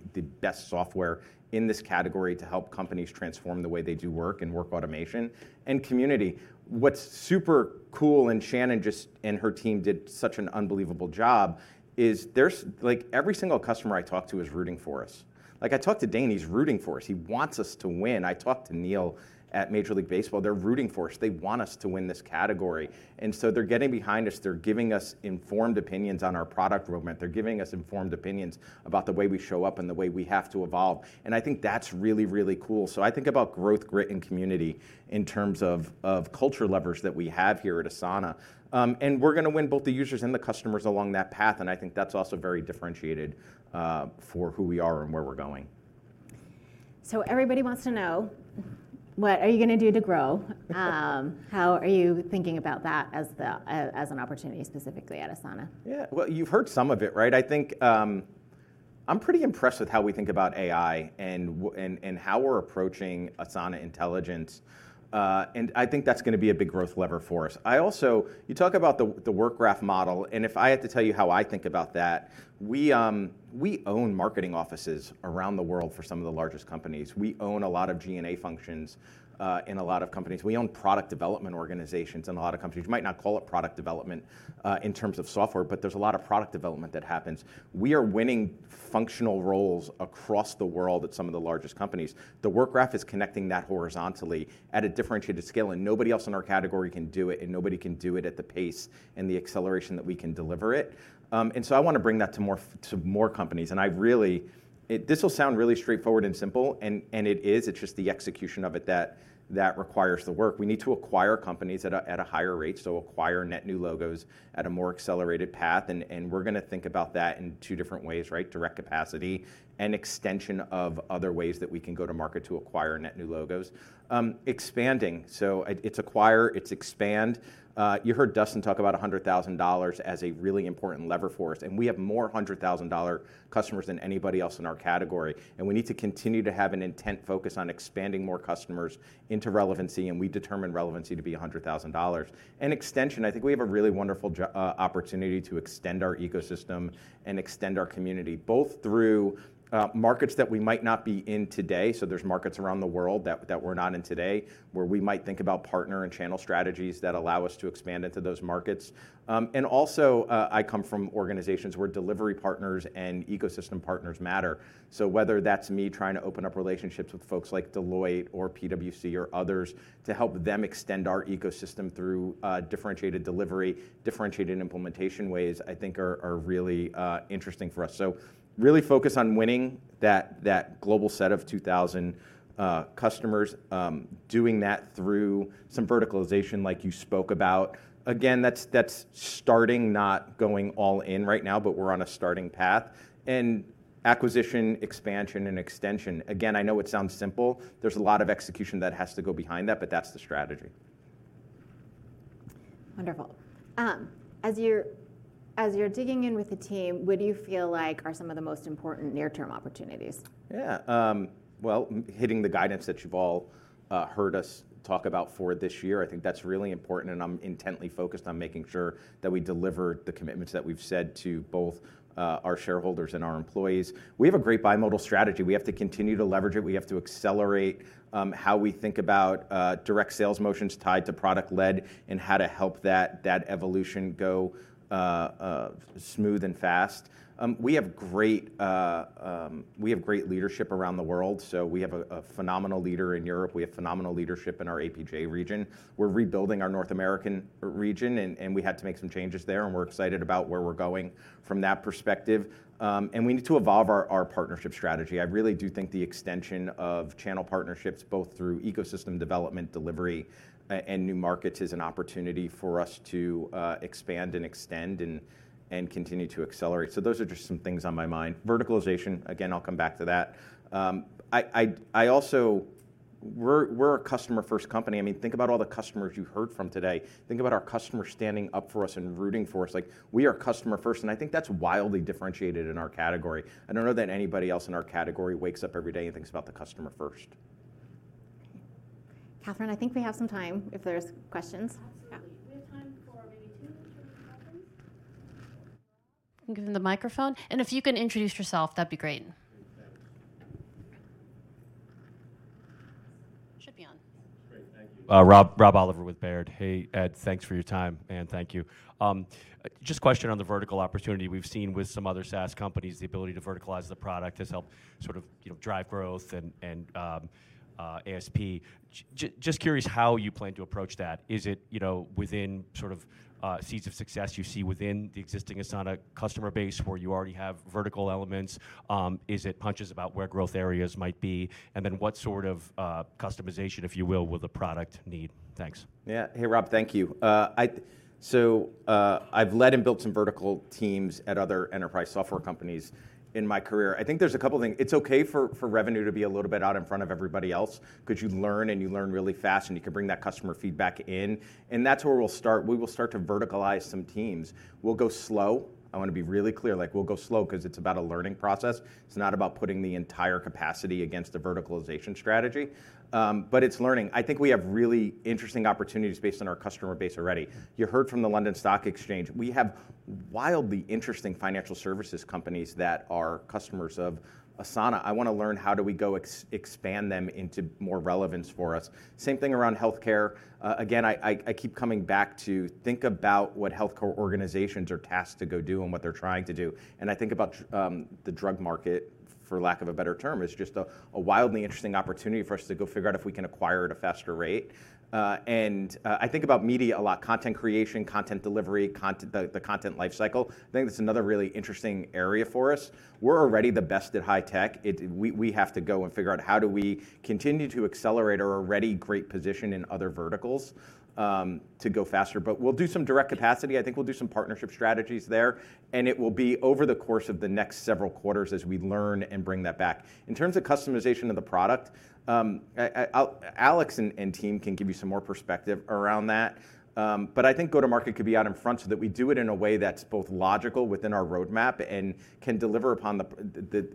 best software in this category to help companies transform the way they do work and work automation. And community, what's super cool, and Shannon and her team did such an unbelievable job, is there's like, every single customer I talk to is rooting for us. Like, I talked to Dane, he's rooting for us. He wants us to win. I talked to Neil at Major League Baseball. They're rooting for us. They want us to win this category. And so they're getting behind us, they're giving us informed opinions on our product roadmap. They're giving us informed opinions about the way we show up and the way we have to evolve, and I think that's really, really cool. So I think about growth, grit, and community in terms of culture levers that we have here at Asana. We're gonna win both the users and the customers along that path, and I think that's also very differentiated for who we are and where we're going. Everybody wants to know, what are you gonna do to grow? How are you thinking about that as the, as an opportunity specifically at Asana? Yeah. Well, you've heard some of it, right? I think, I'm pretty impressed with how we think about AI and and how we're approaching Asana Intelligence, and I think that's gonna be a big growth lever for us. I also... You talk about the, the Work Graph model, and if I had to tell you how I think about that, we, we own marketing offices around the world for some of the largest companies. We own a lot of G&A functions, in a lot of companies. We own product development organizations in a lot of companies. You might not call it product development, in terms of software, but there's a lot of product development that happens. We are winning functional roles across the world at some of the largest companies. The Work Graph is connecting that horizontally at a differentiated scale, and nobody else in our category can do it, and nobody can do it at the pace and the acceleration that we can deliver it. And so I want to bring that to more companies, and I really... This will sound really straightforward and simple, and it is, it's just the execution of it that requires the work. We need to acquire companies at a higher rate, so acquire net new logos at a more accelerated path, and we're gonna think about that in two different ways, right? Direct capacity and extension of other ways that we can go to market to acquire net new logos. Expanding, so it's acquire, it's expand. You heard Dustin talk about $100,000 as a really important lever for us, and we have more $100,000 customers than anybody else in our category, and we need to continue to have an intent focus on expanding more customers into relevancy, and we determine relevancy to be $100,000. And extension, I think we have a really wonderful opportunity to extend our ecosystem and extend our community, both through markets that we might not be in today, so there's markets around the world that we're not in today, where we might think about partner and channel strategies that allow us to expand into those markets. Also, I come from organizations where delivery partners and ecosystem partners matter. So whether that's me trying to open up relationships with folks like Deloitte or PwC or others, to help them extend our ecosystem through differentiated delivery, differentiated implementation ways, I think are really interesting for us. So really focus on winning that global set of 2,000 customers, doing that through some verticalization, like you spoke about. Again, that's starting, not going all in right now, but we're on a starting path. And acquisition, expansion, and extension. Again, I know it sounds simple. There's a lot of execution that has to go behind that, but that's the strategy. Wonderful. As you're digging in with the team, what do you feel like are some of the most important near-term opportunities? Yeah, well, hitting the guidance that you've all heard us talk about for this year, I think that's really important, and I'm intently focused on making sure that we deliver the commitments that we've said to both our shareholders and our employees. We have a great bimodal strategy. We have to continue to leverage it. We have to accelerate how we think about direct sales motions tied to product-led and how to help that evolution go smooth and fast. We have great leadership around the world, so we have a phenomenal leader in Europe. We have phenomenal leadership in our APJ region. We're rebuilding our North American region, and we had to make some changes there, and we're excited about where we're going from that perspective. And we need to evolve our partnership strategy. I really do think the extension of channel partnerships, both through ecosystem development, delivery, and new markets, is an opportunity for us to expand and extend, and continue to accelerate. So those are just some things on my mind. Verticalization, again, I'll come back to that. I also, we're a customer-first company. I mean, think about all the customers you've heard from today. Think about our customers standing up for us and rooting for us. Like, we are customer first, and I think that's wildly differentiated in our category. I don't know that anybody else in our category wakes up every day and thinks about the customer first. Catherine, I think we have some time if there's questions. Absolutely. We have time for maybe two short questions. I'll give them the microphone, and if you can introduce yourself, that'd be great. Should be on.... Great. Thank you. Rob, Rob Oliver with Baird. Hey, Ed, thanks for your time, and thank you. Just a question on the vertical opportunity. We've seen with some other SaaS companies, the ability to verticalize the product has helped sort of, you know, drive growth and ASP. Just curious how you plan to approach that. Is it, you know, within sort of seeds of success you see within the existing Asana customer base, where you already have vertical elements? Is it punches about where growth areas might be? And then what sort of customization, if you will, will the product need? Thanks. Yeah. Hey, Rob. Thank you. So, I've led and built some vertical teams at other enterprise software companies in my career. I think there's a couple things. It's okay for, for revenue to be a little bit out in front of everybody else, 'cause you learn and you learn really fast, and you can bring that customer feedback in, and that's where we'll start. We will start to verticalize some teams. We'll go slow. I wanna be really clear, like, we'll go slow 'cause it's about a learning process. It's not about putting the entire capacity against a verticalization strategy. But it's learning. I think we have really interesting opportunities based on our customer base already. You heard from the London Stock Exchange. We have wildly interesting financial services companies that are customers of Asana. I wanna learn, how do we go expand them into more relevance for us? Same thing around healthcare. Again, I keep coming back to think about what healthcare organizations are tasked to go do and what they're trying to do. And I think about the drug market, for lack of a better term, as just a wildly interesting opportunity for us to go figure out if we can acquire at a faster rate. And I think about media a lot, content creation, content delivery, content, the content life cycle. I think that's another really interesting area for us. We're already the best at high tech. We have to go and figure out how do we continue to accelerate our already great position in other verticals, to go faster. But we'll do some direct capacity. I think we'll do some partnership strategies there, and it will be over the course of the next several quarters as we learn and bring that back. In terms of customization of the product, Alex and team can give you some more perspective around that. But I think go-to-market could be out in front, so that we do it in a way that's both logical within our roadmap and can deliver upon the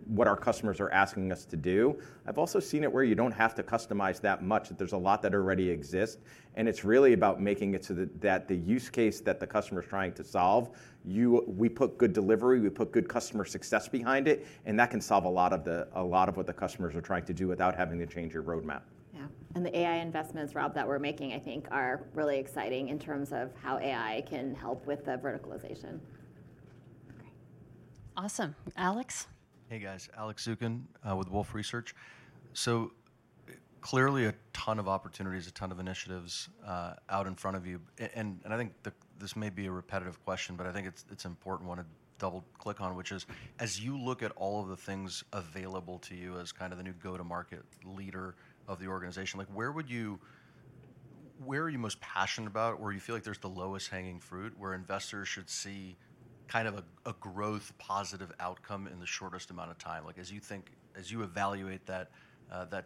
what our customers are asking us to do. I've also seen it where you don't have to customize that much, that there's a lot that already exists, and it's really about making it so that the use case that the customer is trying to solve, we put good delivery, we put good customer success behind it, and that can solve a lot of what the customers are trying to do without having to change your roadmap. Yeah. The AI investments, Rob, that we're making, I think are really exciting in terms of how AI can help with the verticalization. Great. Awesome. Alex? Hey, guys. Alex Zukin with Wolfe Research. So clearly, a ton of opportunities, a ton of initiatives out in front of you. And I think this may be a repetitive question, but I think it's an important one to double-click on, which is, as you look at all of the things available to you as kind of the new go-to-market leader of the organization, like, where would you... where are you most passionate about, where you feel like there's the lowest-hanging fruit, where investors should see kind of a growth positive outcome in the shortest amount of time? Like, as you think, as you evaluate that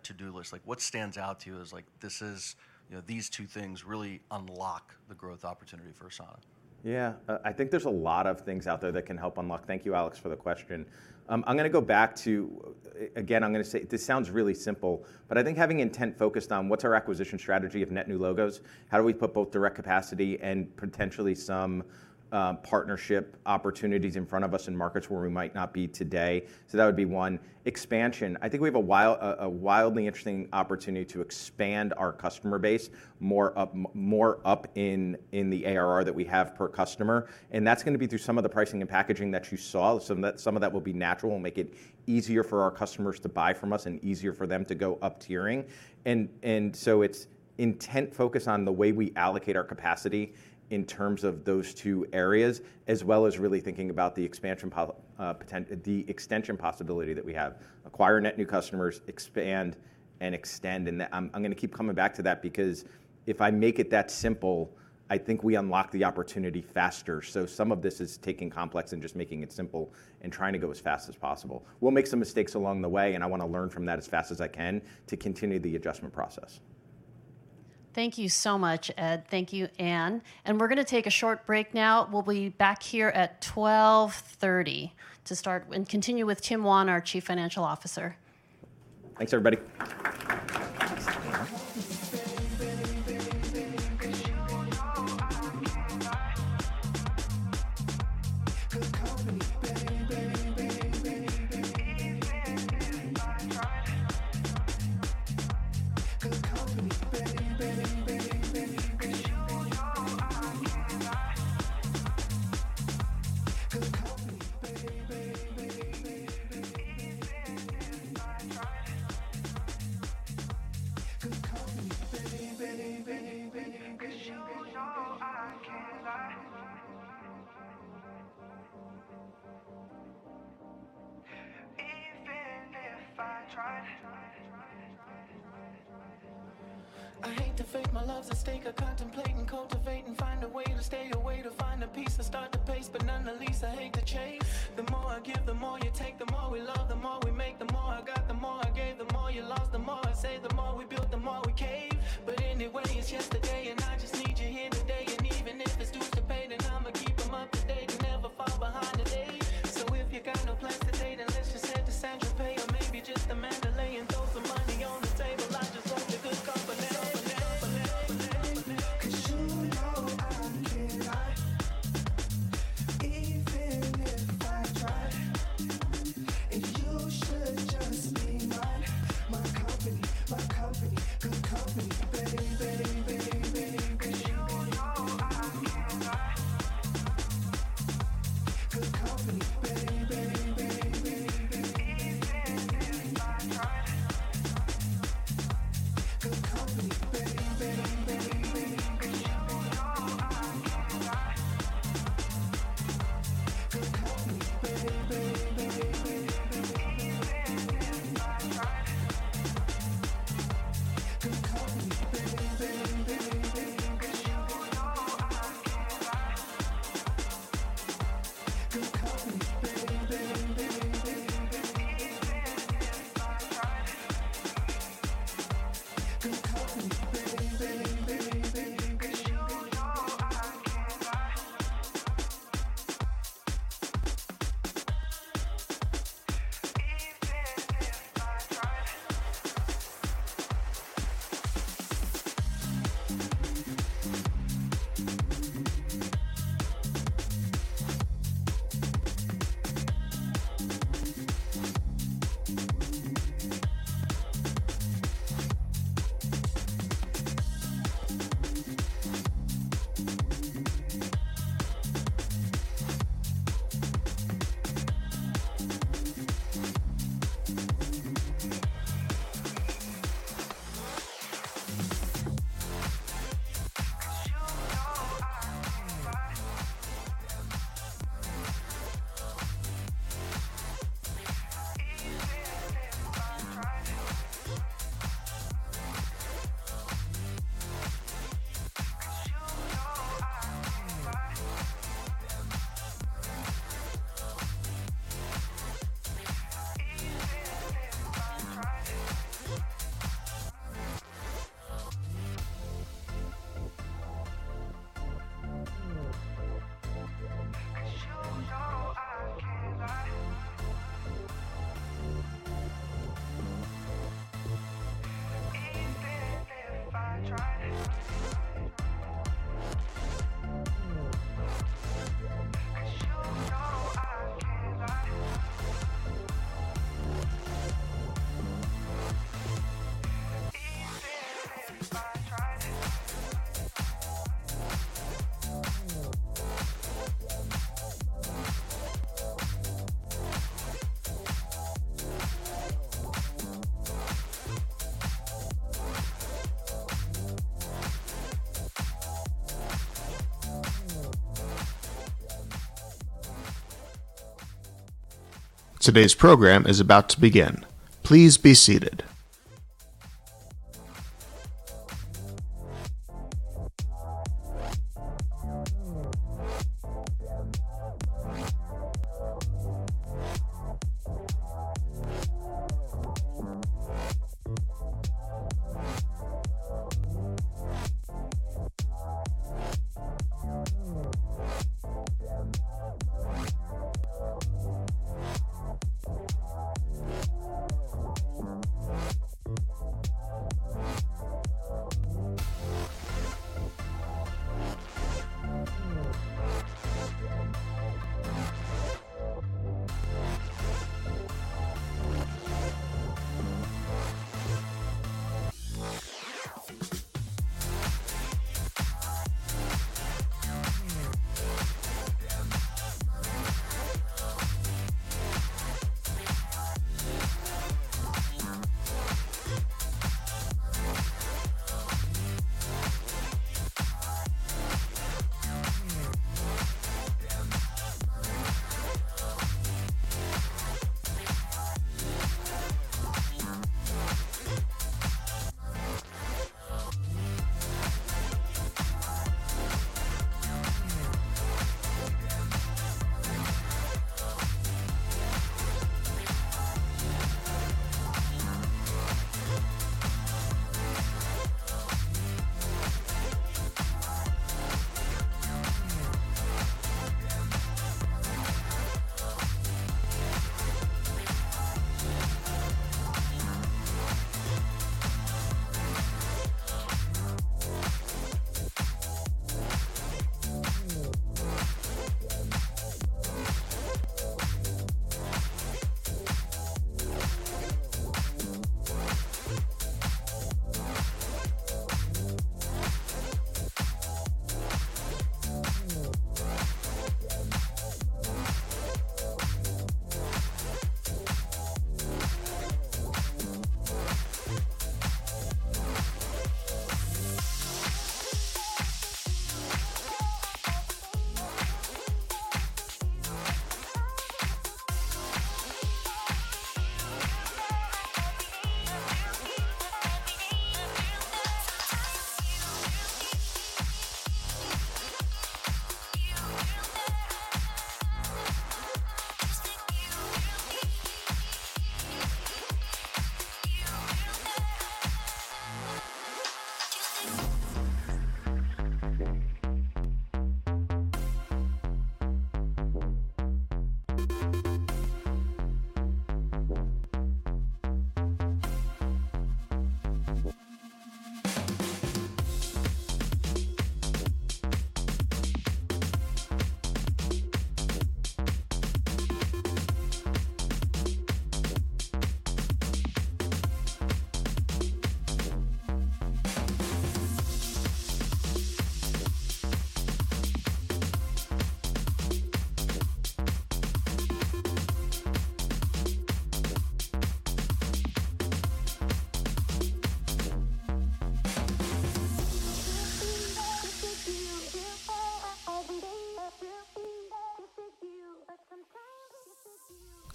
to-do list, like, what stands out to you as, like, this is, you know, these two things really unlock the growth opportunity for Asana? Yeah. I think there's a lot of things out there that can help unlock—thank you, Alex, for the question. I'm gonna go back to, again, I'm gonna say, this sounds really simple, but I think having intent focused on what's our acquisition strategy of net new logos, how do we put both direct capacity and potentially some partnership opportunities in front of us in markets where we might not be today? So that would be one. Expansion, I think we have a wildly interesting opportunity to expand our customer base more up in the ARR that we have per customer, and that's gonna be through some of the pricing and packaging that you saw. Some of that, some of that will be natural and make it easier for our customers to buy from us and easier for them to go up tiering. And so it's intent focused on the way we allocate our capacity in terms of those two areas, as well as really thinking about the expansion potential, the extension possibility that we have. Acquire net new customers, expand, and extend, and I'm gonna keep coming back to that because if I make it that simple, I think we unlock the opportunity faster. So some of this is taking complex and just making it simple and trying to go as fast as possible. We'll make some mistakes along the way, and I wanna learn from that as fast as I can to continue the adjustment process. Thank you so much, Ed. Thank you, Anne. And we're gonna take a short break now. We'll be back here at 12:30 P.M. to start and continue with Tim Wan, our Chief Financial Officer. Thanks, everybody.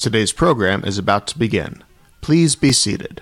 Today's program is about to begin. Please be seated.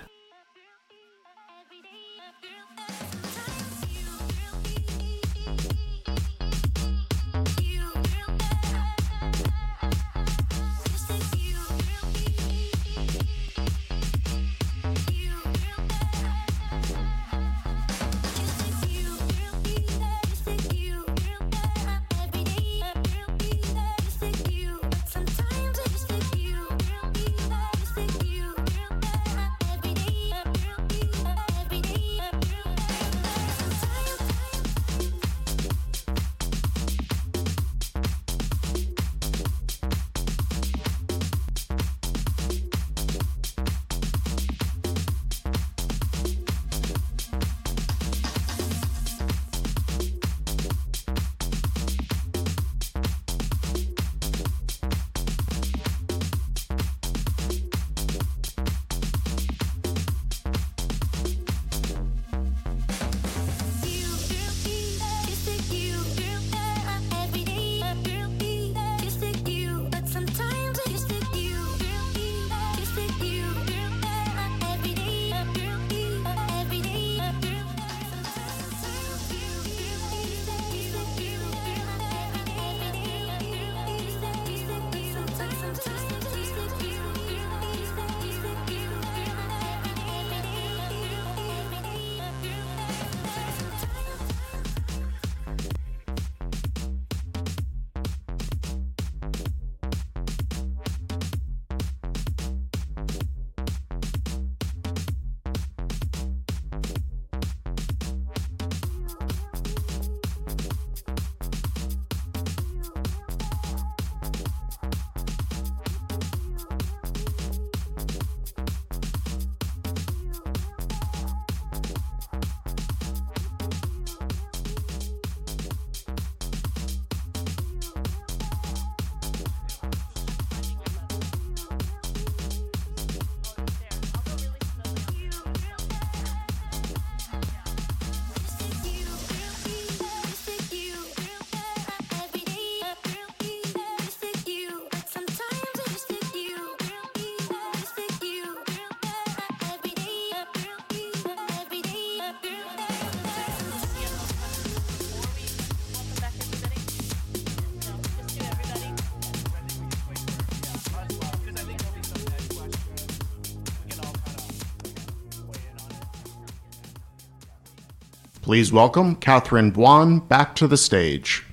Please welcome Catherine Buan back to the stage.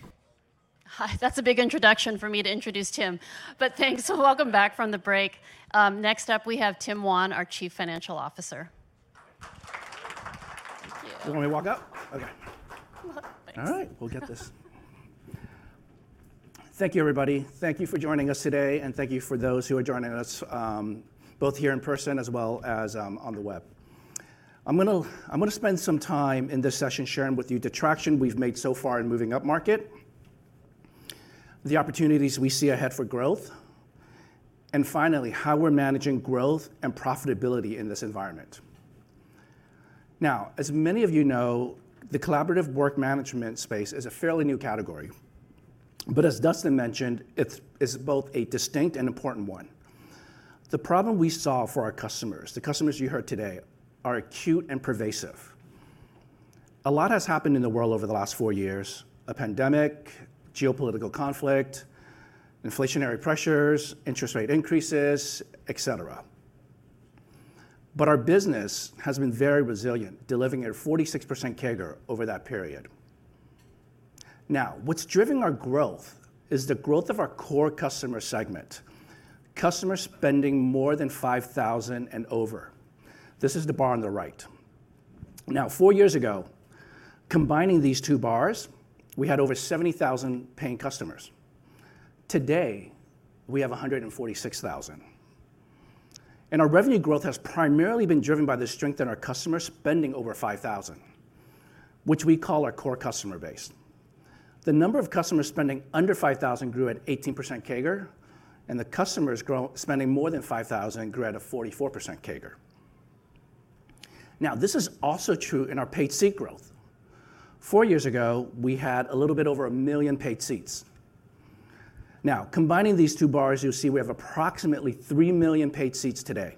Hi, that's a big introduction for me to introduce Tim, but thanks. Welcome back from the break. Next up, we have Tim Wan, our Chief Financial Officer. Thank you. You want me to walk up? Okay. Thanks. All right, we'll get this. Thank you, everybody. Thank you for joining us today, and thank you for those who are joining us both here in person as well as on the web. I'm gonna, I'm gonna spend some time in this session sharing with you the traction we've made so far in moving upmarket, the opportunities we see ahead for growth, and finally, how we're managing growth and profitability in this environment. Now, as many of you know, the collaborative work management space is a fairly new category, but as Dustin mentioned, it's, it's both a distinct and important one. The problem we solve for our customers, the customers you heard today, are acute and pervasive. A lot has happened in the world over the last four years: a pandemic, geopolitical conflict, inflationary pressures, interest rate increases, et cetera. But our business has been very resilient, delivering a 46% CAGR over that period. Now, what's driven our growth is the growth of our core customer segment, customers spending more than $5,000 and over. This is the bar on the right. Now, four years ago, combining these two bars, we had over 70,000 paying customers. Today, we have 146,000, and our revenue growth has primarily been driven by the strength in our customers spending over $5,000, which we call our core customer base. The number of customers spending under $5,000 grew at 18% CAGR, and the customers spending more than $5,000 grew at a 44% CAGR. Now, this is also true in our paid seat growth. Four years ago, we had a little bit over 1 million paid seats. Now, combining these two bars, you'll see we have approximately 3 million paid seats today,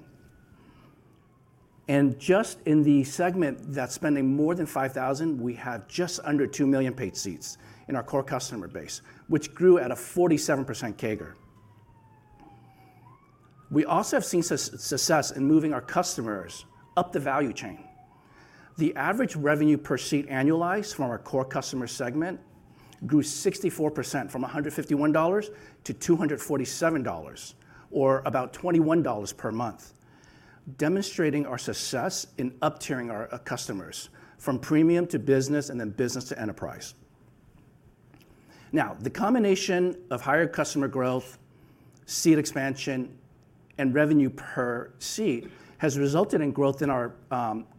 and just in the segment that's spending more than $5,000, we have just under 2 million paid seats in our core customer base, which grew at a 47% CAGR. We also have seen success in moving our customers up the value chain. The average revenue per seat annualized from our core customer segment grew 64%, from $151 to $247, or about $21 per month.... demonstrating our success in up-tiering our customers, from Premium to Business, and then Business to Enterprise. Now, the combination of higher customer growth, seat expansion, and revenue per seat has resulted in growth in our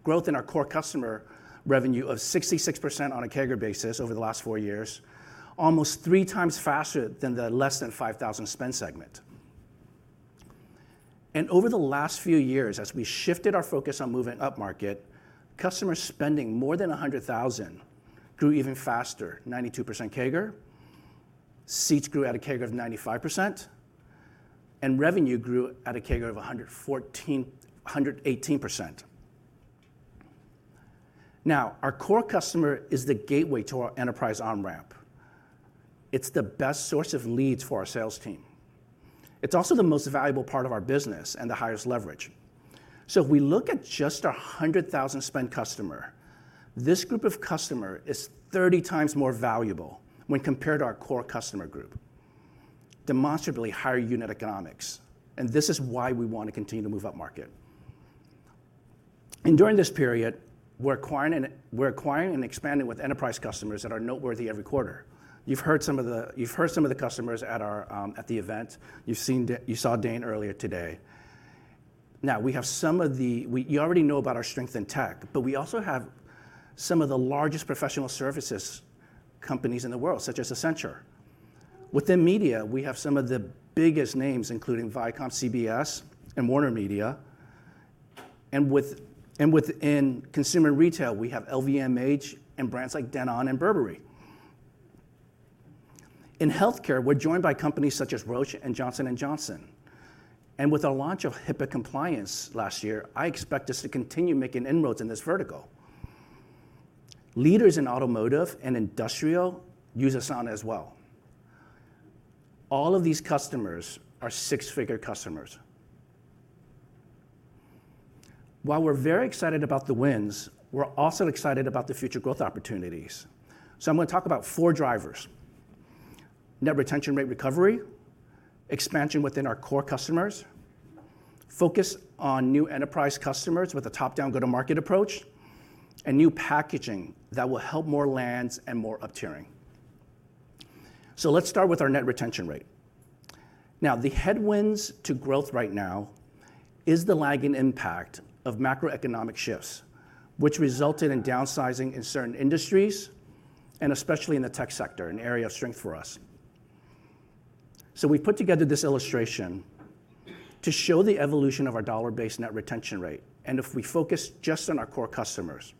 growth in our core customer revenue of 66% on a CAGR basis over the last four years, almost three times faster than the less than $5,000 spend segment. Over the last few years, as we shifted our focus on moving upmarket, customer spending more than $100,000 grew even faster, 92% CAGR. Seats grew at a CAGR of 95%, and revenue grew at a CAGR of 114, 118%. Now, our core customer is the gateway to our enterprise on-ramp. It's the best source of leads for our sales team. It's also the most valuable part of our business, and the highest leverage. So if we look at just our $100,000 spend customer, this group of customer is 30 times more valuable when compared to our core customer group. Demonstrably higher unit economics, and this is why we want to continue to move upmarket. And during this period, we're acquiring and, we're acquiring and expanding with enterprise customers that are noteworthy every quarter. You've heard some of the, you've heard some of the customers at our, at the event. You've seen D- you saw Dane earlier today. Now, we have some of the... We- you already know about our strength in tech, but we also have some of the largest professional services companies in the world, such as Accenture. Within media, we have some of the biggest names, including ViacomCBS and WarnerMedia, and with, and within consumer retail, we have LVMH and brands like Danone and Burberry. In healthcare, we're joined by companies such as Roche and Johnson & Johnson, and with our launch of HIPAA compliance last year, I expect us to continue making inroads in this vertical. Leaders in automotive and industrial use Asana as well. All of these customers are six-figure customers. While we're very excited about the wins, we're also excited about the future growth opportunities. So I'm gonna talk about four drivers: net retention rate recovery, expansion within our core customers, focus on new enterprise customers with a top-down go-to-market approach, and new packaging that will help more lands and more up-tiering. So let's start with our net retention rate. Now, the headwinds to growth right now is the lagging impact of macroeconomic shifts, which resulted in downsizing in certain industries, and especially in the tech sector, an area of strength for us. So we've put together this illustration to show the evolution of our dollar-based net retention rate, and if we focus just on our core customers.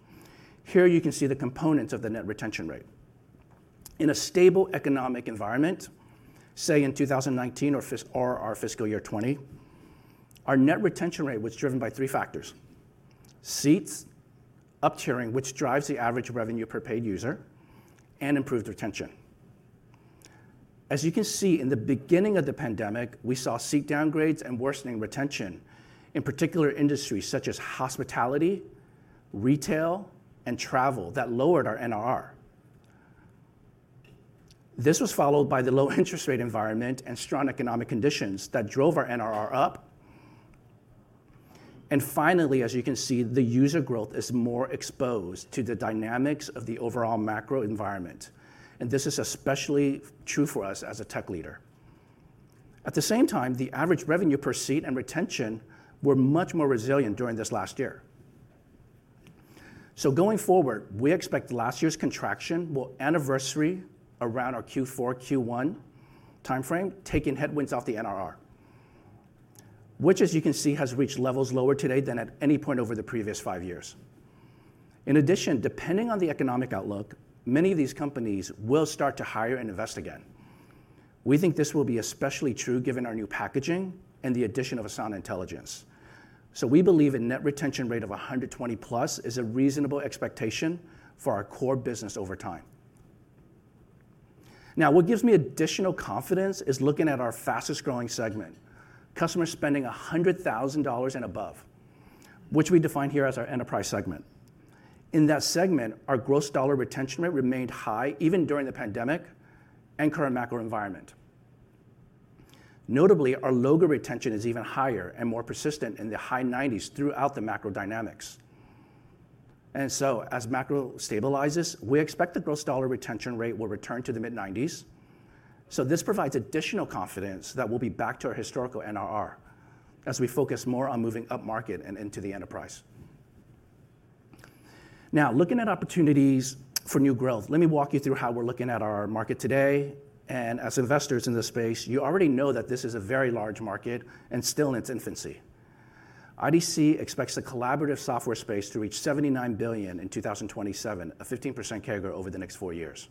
Here, you can see the components of the net retention rate. In a stable economic environment, say in 2019 or our fiscal year 2020, our net retention rate was driven by three factors: seats, up-tiering, which drives the average revenue per paid user, and improved retention. As you can see, in the beginning of the pandemic, we saw seat downgrades and worsening retention, in particular industries such as hospitality, retail, and travel, that lowered our NRR. This was followed by the low interest rate environment and strong economic conditions that drove our NRR up. Finally, as you can see, the user growth is more exposed to the dynamics of the overall macro environment, and this is especially true for us as a tech leader. At the same time, the average revenue per seat and retention were much more resilient during this last year. Going forward, we expect last year's contraction will anniversary around our Q4, Q1 timeframe, taking headwinds off the NRR, which, as you can see, has reached levels lower today than at any point over the previous five years. In addition, depending on the economic outlook, many of these companies will start to hire and invest again. We think this will be especially true given our new packaging and the addition of Asana Intelligence. We believe a net retention rate of 100+ is a reasonable expectation for our core business over time. Now, what gives me additional confidence is looking at our fastest-growing segment, customers spending $100,000 and above, which we define here as our enterprise segment. In that segment, our gross dollar retention rate remained high even during the pandemic and current macro environment. Notably, our logo retention is even higher and more persistent, in the high 90s throughout the macro dynamics. And so as macro stabilizes, we expect the gross dollar retention rate will return to the mid-90s. So this provides additional confidence that we'll be back to our historical NRR as we focus more on moving upmarket and into the enterprise. Now, looking at opportunities for new growth, let me walk you through how we're looking at our market today, and as investors in this space, you already know that this is a very large market and still in its infancy. IDC expects the collaborative software space to reach $79 billion in 2027, a 15% CAGR over the next four years.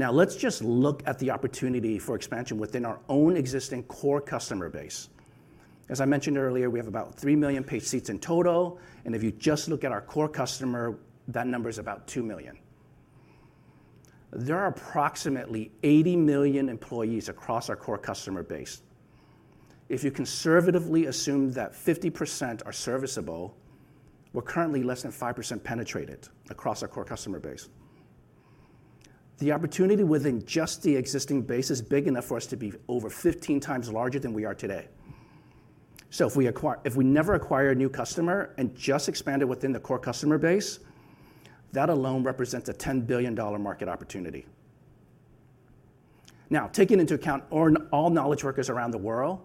Now, let's just look at the opportunity for expansion within our own existing core customer base. As I mentioned earlier, we have about 3 million paid seats in total, and if you just look at our core customer, that number is about 2 million. There are approximately 80 million employees across our core customer base. If you conservatively assume that 50% are serviceable, we're currently less than 5% penetrated across our core customer base. The opportunity within just the existing base is big enough for us to be over 15 times larger than we are today. So if we acquire- if we never acquire a new customer and just expanded within the core customer base, that alone represents a $10 billion market opportunity. Now, taking into account all, all knowledge workers around the world,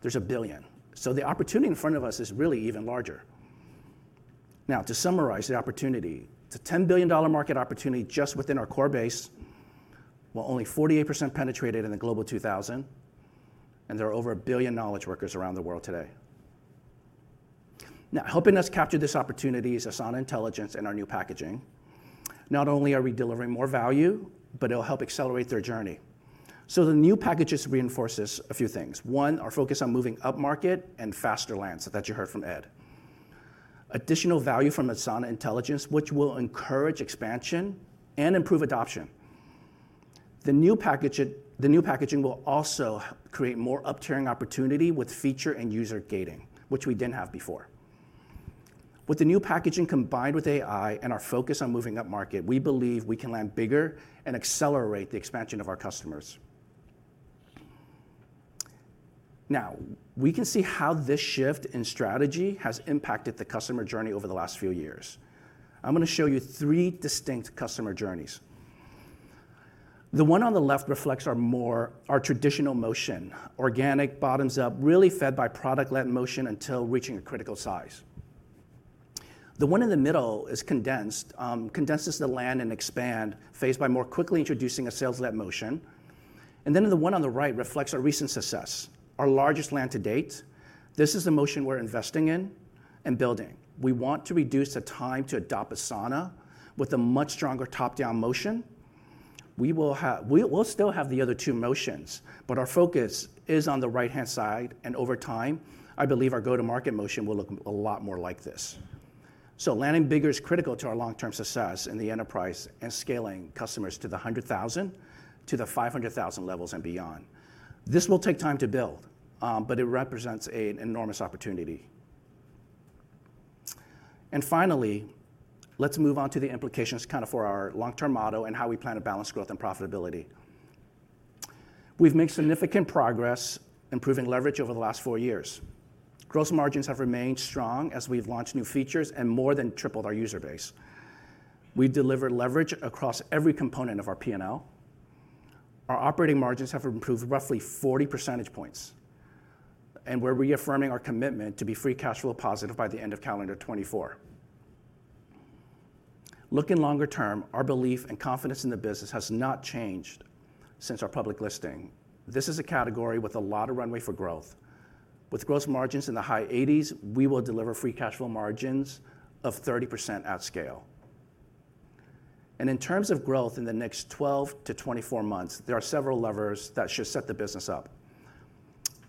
there's 1 billion. So the opportunity in front of us is really even larger. Now, to summarize the opportunity, it's a $10 billion market opportunity just within our core base, while only 48% penetrated in the Global 2000, and there are over 1 billion knowledge workers around the world today. Now, helping us capture this opportunity is Asana Intelligence and our new packaging. Not only are we delivering more value, but it'll help accelerate their journey. So the new packages reinforces a few things: One, our focus on moving upmarket and faster lands, that you heard from Ed. Additional value from Asana Intelligence, which will encourage expansion and improve adoption. The new package it- the new packaging will also create more uptiering opportunity with feature and user gating, which we didn't have before. With the new packaging combined with AI and our focus on moving upmarket, we believe we can land bigger and accelerate the expansion of our customers. Now, we can see how this shift in strategy has impacted the customer journey over the last few years. I'm gonna show you three distinct customer journeys. The one on the left reflects our traditional motion, organic, bottoms-up, really fed by product-led motion until reaching a critical size. The one in the middle condenses the land and expand, phased by more quickly introducing a sales-led motion. And then the one on the right reflects our recent success, our largest land to date. This is the motion we're investing in and building. We want to reduce the time to adopt Asana with a much stronger top-down motion. We will have... We'll still have the other two motions, but our focus is on the right-hand side, and over time, I believe our go-to-market motion will look a lot more like this. So landing bigger is critical to our long-term success in the enterprise and scaling customers to the 100,000, to the 500,000 levels and beyond. This will take time to build, but it represents an enormous opportunity. And finally, let's move on to the implications kind of for our long-term model and how we plan to balance growth and profitability. We've made significant progress improving leverage over the last 4 years. Gross margins have remained strong as we've launched new features and more than tripled our user base. We've delivered leverage across every component of our P&L. Our operating margins have improved roughly 40 percentage points, and we're reaffirming our commitment to be free cash flow positive by the end of calendar 2024. Looking longer term, our belief and confidence in the business has not changed since our public listing. This is a category with a lot of runway for growth. With gross margins in the high 80s, we will deliver free cash flow margins of 30% at scale. In terms of growth in the next 12-24 months, there are several levers that should set the business up.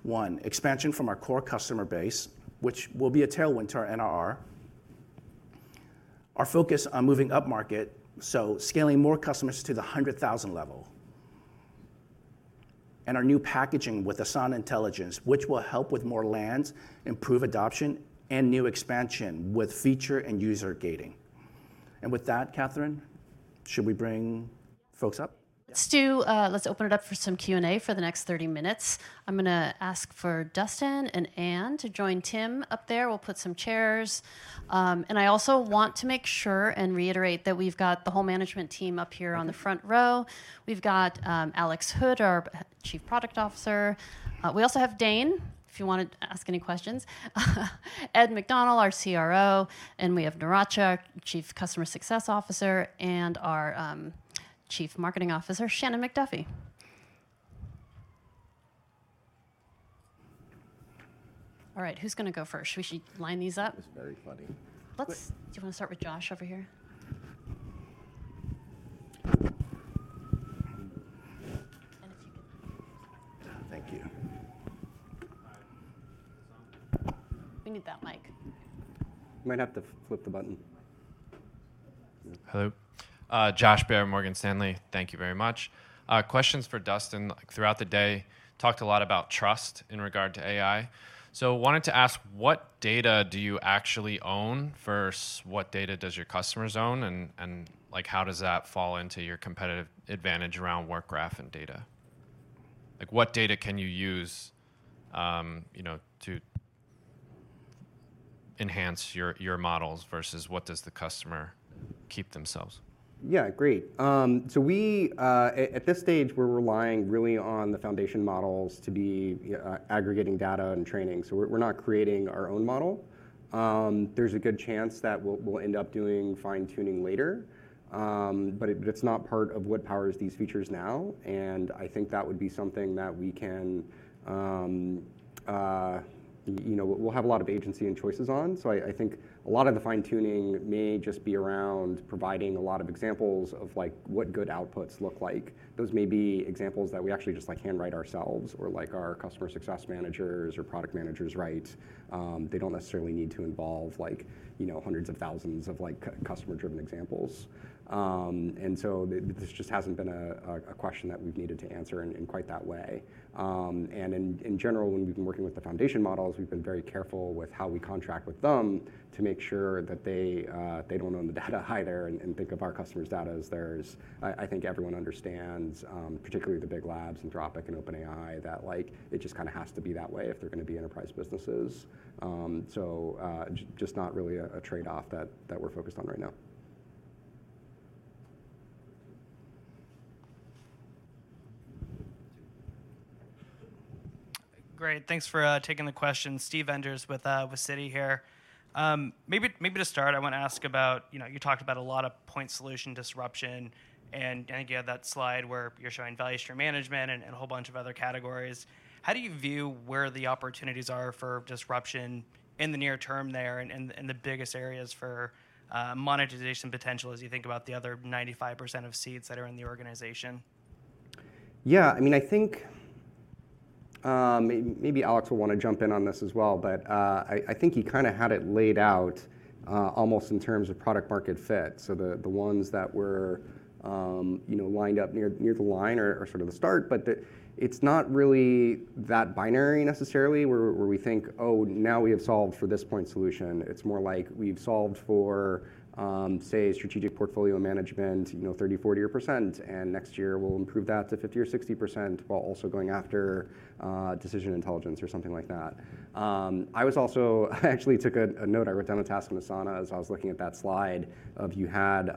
1. Expansion from our core customer base, which will be a tailwind to our NRR. Our focus on moving upmarket, so scaling more customers to the $100,000 level. And our new packaging with Asana Intelligence, which will help with more lands, improve adoption and new expansion with feature and user gating. With that, Catherine, should we bring folks up? Let's do, let's open it up for some Q&A for the next 30 minutes. I'm gonna ask for Dustin and Anne to join Tim up there. We'll put some chairs. I also want to make sure and reiterate that we've got the whole management team up here on the front row. We've got Alex Hood, our Chief Product Officer. We also have Dane, if you wanna ask any questions. Ed McDonnell, our CRO, and we have Neeracha, Chief Customer Success Officer, and our Chief Marketing Officer, Shannon Duffy. All right, who's gonna go first? We should line these up. It's very funny. Do you wanna start with Josh over here? And if you can- Thank you. Is this on? We need that mic. You might have to flip the button. Hello. Josh Baer, Morgan Stanley. Thank you very much. Questions for Dustin. Throughout the day, talked a lot about trust in regard to AI. So wanted to ask, what data do you actually own, versus what data does your customers own, and, and, like, how does that fall into your competitive advantage around Work Graph and data? Like, what data can you use, you know, to enhance your, your models versus what does the customer keep themselves? Yeah, great. So we at this stage we're relying really on the foundation models to be aggregating data and training, so we're not creating our own model. There's a good chance that we'll end up doing fine-tuning later, but it's not part of what powers these features now, and I think that would be something that we can, you know, we'll have a lot of agency and choices on. So I think a lot of the fine-tuning may just be around providing a lot of examples of, like, what good outputs look like. Those may be examples that we actually just, like, handwrite ourselves or, like, our customer success managers or product managers write. They don't necessarily need to involve, like, you know, hundreds of thousands of, like, customer-driven examples. And so this just hasn't been a question that we've needed to answer in quite that way. And in general, when we've been working with the foundation models, we've been very careful with how we contract with them to make sure that they don't own the data either and think of our customers' data as theirs. I think everyone understands, particularly the big labs, Anthropic and OpenAI, that, like, it just kind of has to be that way if they're gonna be enterprise businesses. So, just not really a trade-off that we're focused on right now. ... Great, thanks for taking the questions. Steve Enders with Citi here. Maybe to start, I want to ask about, you know, you talked about a lot of point solution disruption, and I think you had that slide where you're showing value stream management and a whole bunch of other categories. How do you view where the opportunities are for disruption in the near term there, and the biggest areas for monetization potential as you think about the other 95% of seats that are in the organization? Yeah, I mean, I think, maybe Alex will want to jump in on this as well, but, I think he kind of had it laid out, almost in terms of product-market fit. So the ones that were, you know, lined up near the line are sort of the start, but it's not really that binary necessarily, where we think, "Oh, now we have solved for this point solution." It's more like we've solved for, say, strategic portfolio management, you know, 30%-40%, and next year we'll improve that to 50%-60% while also going after, decision intelligence or something like that. I actually took a note. I wrote down a task in Asana as I was looking at that slide of you had,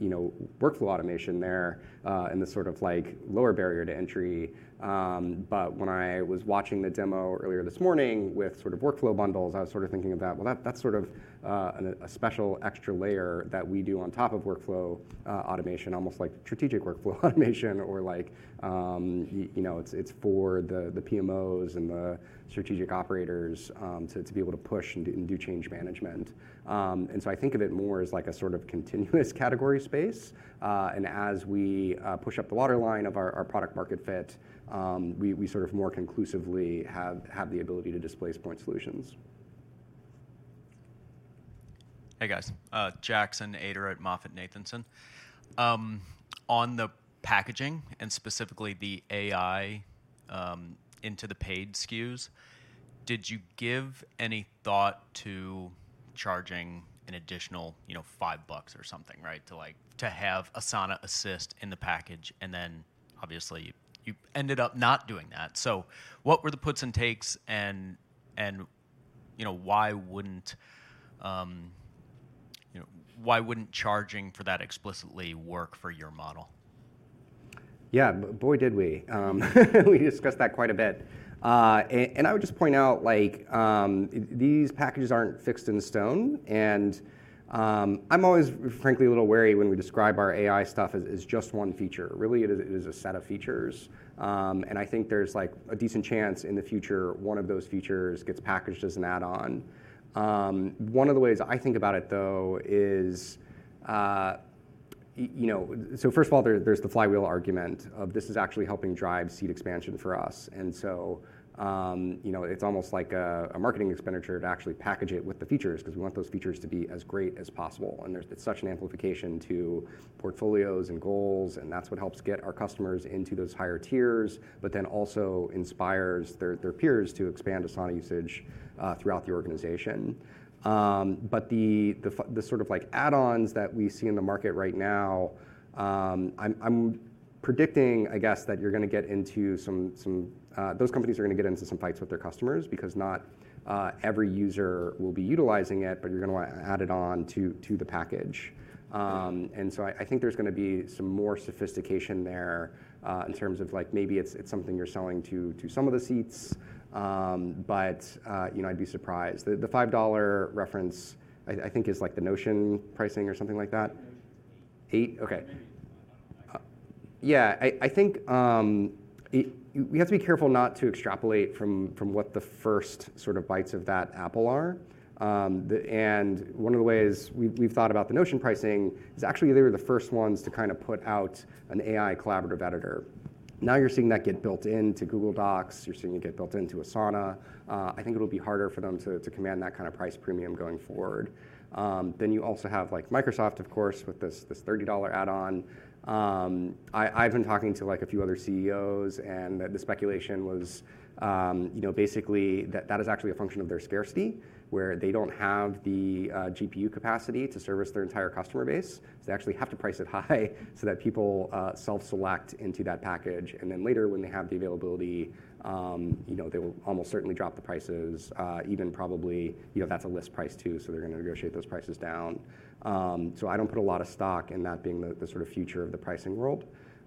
you know, workflow automation there, in the sort of like lower barrier to entry. But when I was watching the demo earlier this morning with sort of workflow bundles, I was sort of thinking about, well, that, that's sort of, an, a special extra layer that we do on top of workflow, automation, almost like strategic workflow automation, or like, you know, it's, it's for the, the PMOs and the strategic operators, to, to be able to push and do change management. And so I think of it more as like a sort of continuous category space. And as we push up the waterline of our product-market fit, we sort of more conclusively have the ability to displace point solutions. Hey, guys, Jackson Ader at MoffettNathanson. On the packaging, and specifically the AI, into the paid SKUs, did you give any thought to charging an additional, you know, $5 or something, right? To like, to have Asana assist in the package, and then obviously, you ended up not doing that. So what were the puts and takes and, you know, why wouldn't, you know, why wouldn't charging for that explicitly work for your model? Yeah, boy, did we! We discussed that quite a bit. I would just point out, like, these packages aren't fixed in stone. And I'm always frankly a little wary when we describe our AI stuff as, as just one feature. Really, it is, it is a set of features. And I think there's, like, a decent chance in the future, one of those features gets packaged as an add-on. One of the ways I think about it, though, is, you know. So first of all, there's the flywheel argument of this is actually helping drive seat expansion for us. And so, you know, it's almost like a marketing expenditure to actually package it with the features, 'cause we want those features to be as great as possible. And it's such an amplification to portfolios and goals, and that's what helps get our customers into those higher tiers, but then also inspires their peers to expand Asana usage throughout the organization. But the sort of like add-ons that we see in the market right now, I'm predicting, I guess, that those companies are gonna get into some fights with their customers because not every user will be utilizing it, but you're gonna add it on to the package. And so I think there's gonna be some more sophistication there in terms of like, maybe it's something you're selling to some of the seats. But you know, I'd be surprised. The $5 reference, I think is like the Notion pricing or something like that. Eight? Okay. Yeah, I think we have to be careful not to extrapolate from what the first sort of bites of that apple are. One of the ways we've thought about the Notion pricing is actually, they were the first ones to kind of put out an AI collaborative editor. Now, you're seeing that get built into Google Docs, you're seeing it get built into Asana. I think it'll be harder for them to command that kind of price premium going forward. Then you also have, like, Microsoft, of course, with this $30 add-on. I've been talking to, like, a few other CEOs, and the speculation was, you know, basically, that is actually a function of their scarcity, where they don't have the GPU capacity to service their entire customer base. So they actually have to price it high so that people, self-select into that package, and then later, when they have the availability, you know, they will almost certainly drop the prices, even probably, you know, that's a list price, too, so they're gonna negotiate those prices down. So I don't put a lot of stock in that being the, the sort of future of the pricing world.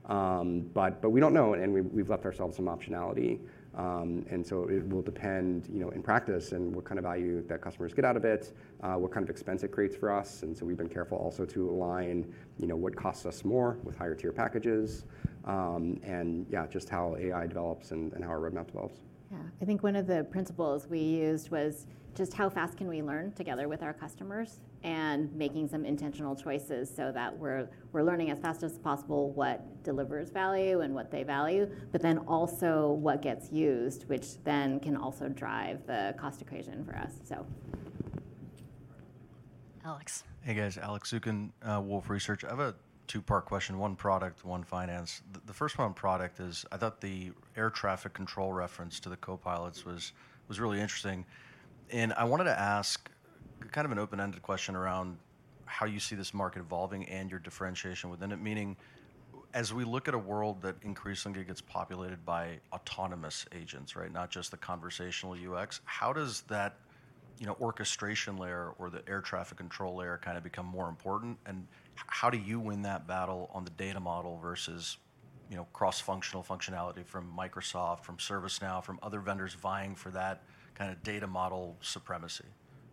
But, but we don't know, and we, we've left ourselves some optionality. And so it will depend, you know, in practice, and what kind of value that customers get out of it, what kind of expense it creates for us. And so we've been careful also to align, you know, what costs us more with higher tier packages, and yeah, just how AI develops and, and how our roadmap develops. Yeah. I think one of the principles we used was just how fast can we learn together with our customers and making some intentional choices so that we're, we're learning as fast as possible what delivers value and what they value, but then also what gets used, which then can also drive the cost equation for us, so. Alex. Hey, guys, Alex Zukin, Wolfe Research. I have a two-part question, one product, one finance. The first one on product is, I thought the air traffic control reference to the copilots was really interesting. And I wanted to ask kind of an open-ended question around how you see this market evolving and your differentiation within it, meaning, as we look at a world that increasingly gets populated by autonomous agents, right, not just the conversational UX, how does that, you know, orchestration layer or the air traffic control layer kind of become more important? And how do you win that battle on the data model versus, you know, cross-functional functionality from Microsoft, from ServiceNow, from other vendors vying for that kind of data model supremacy?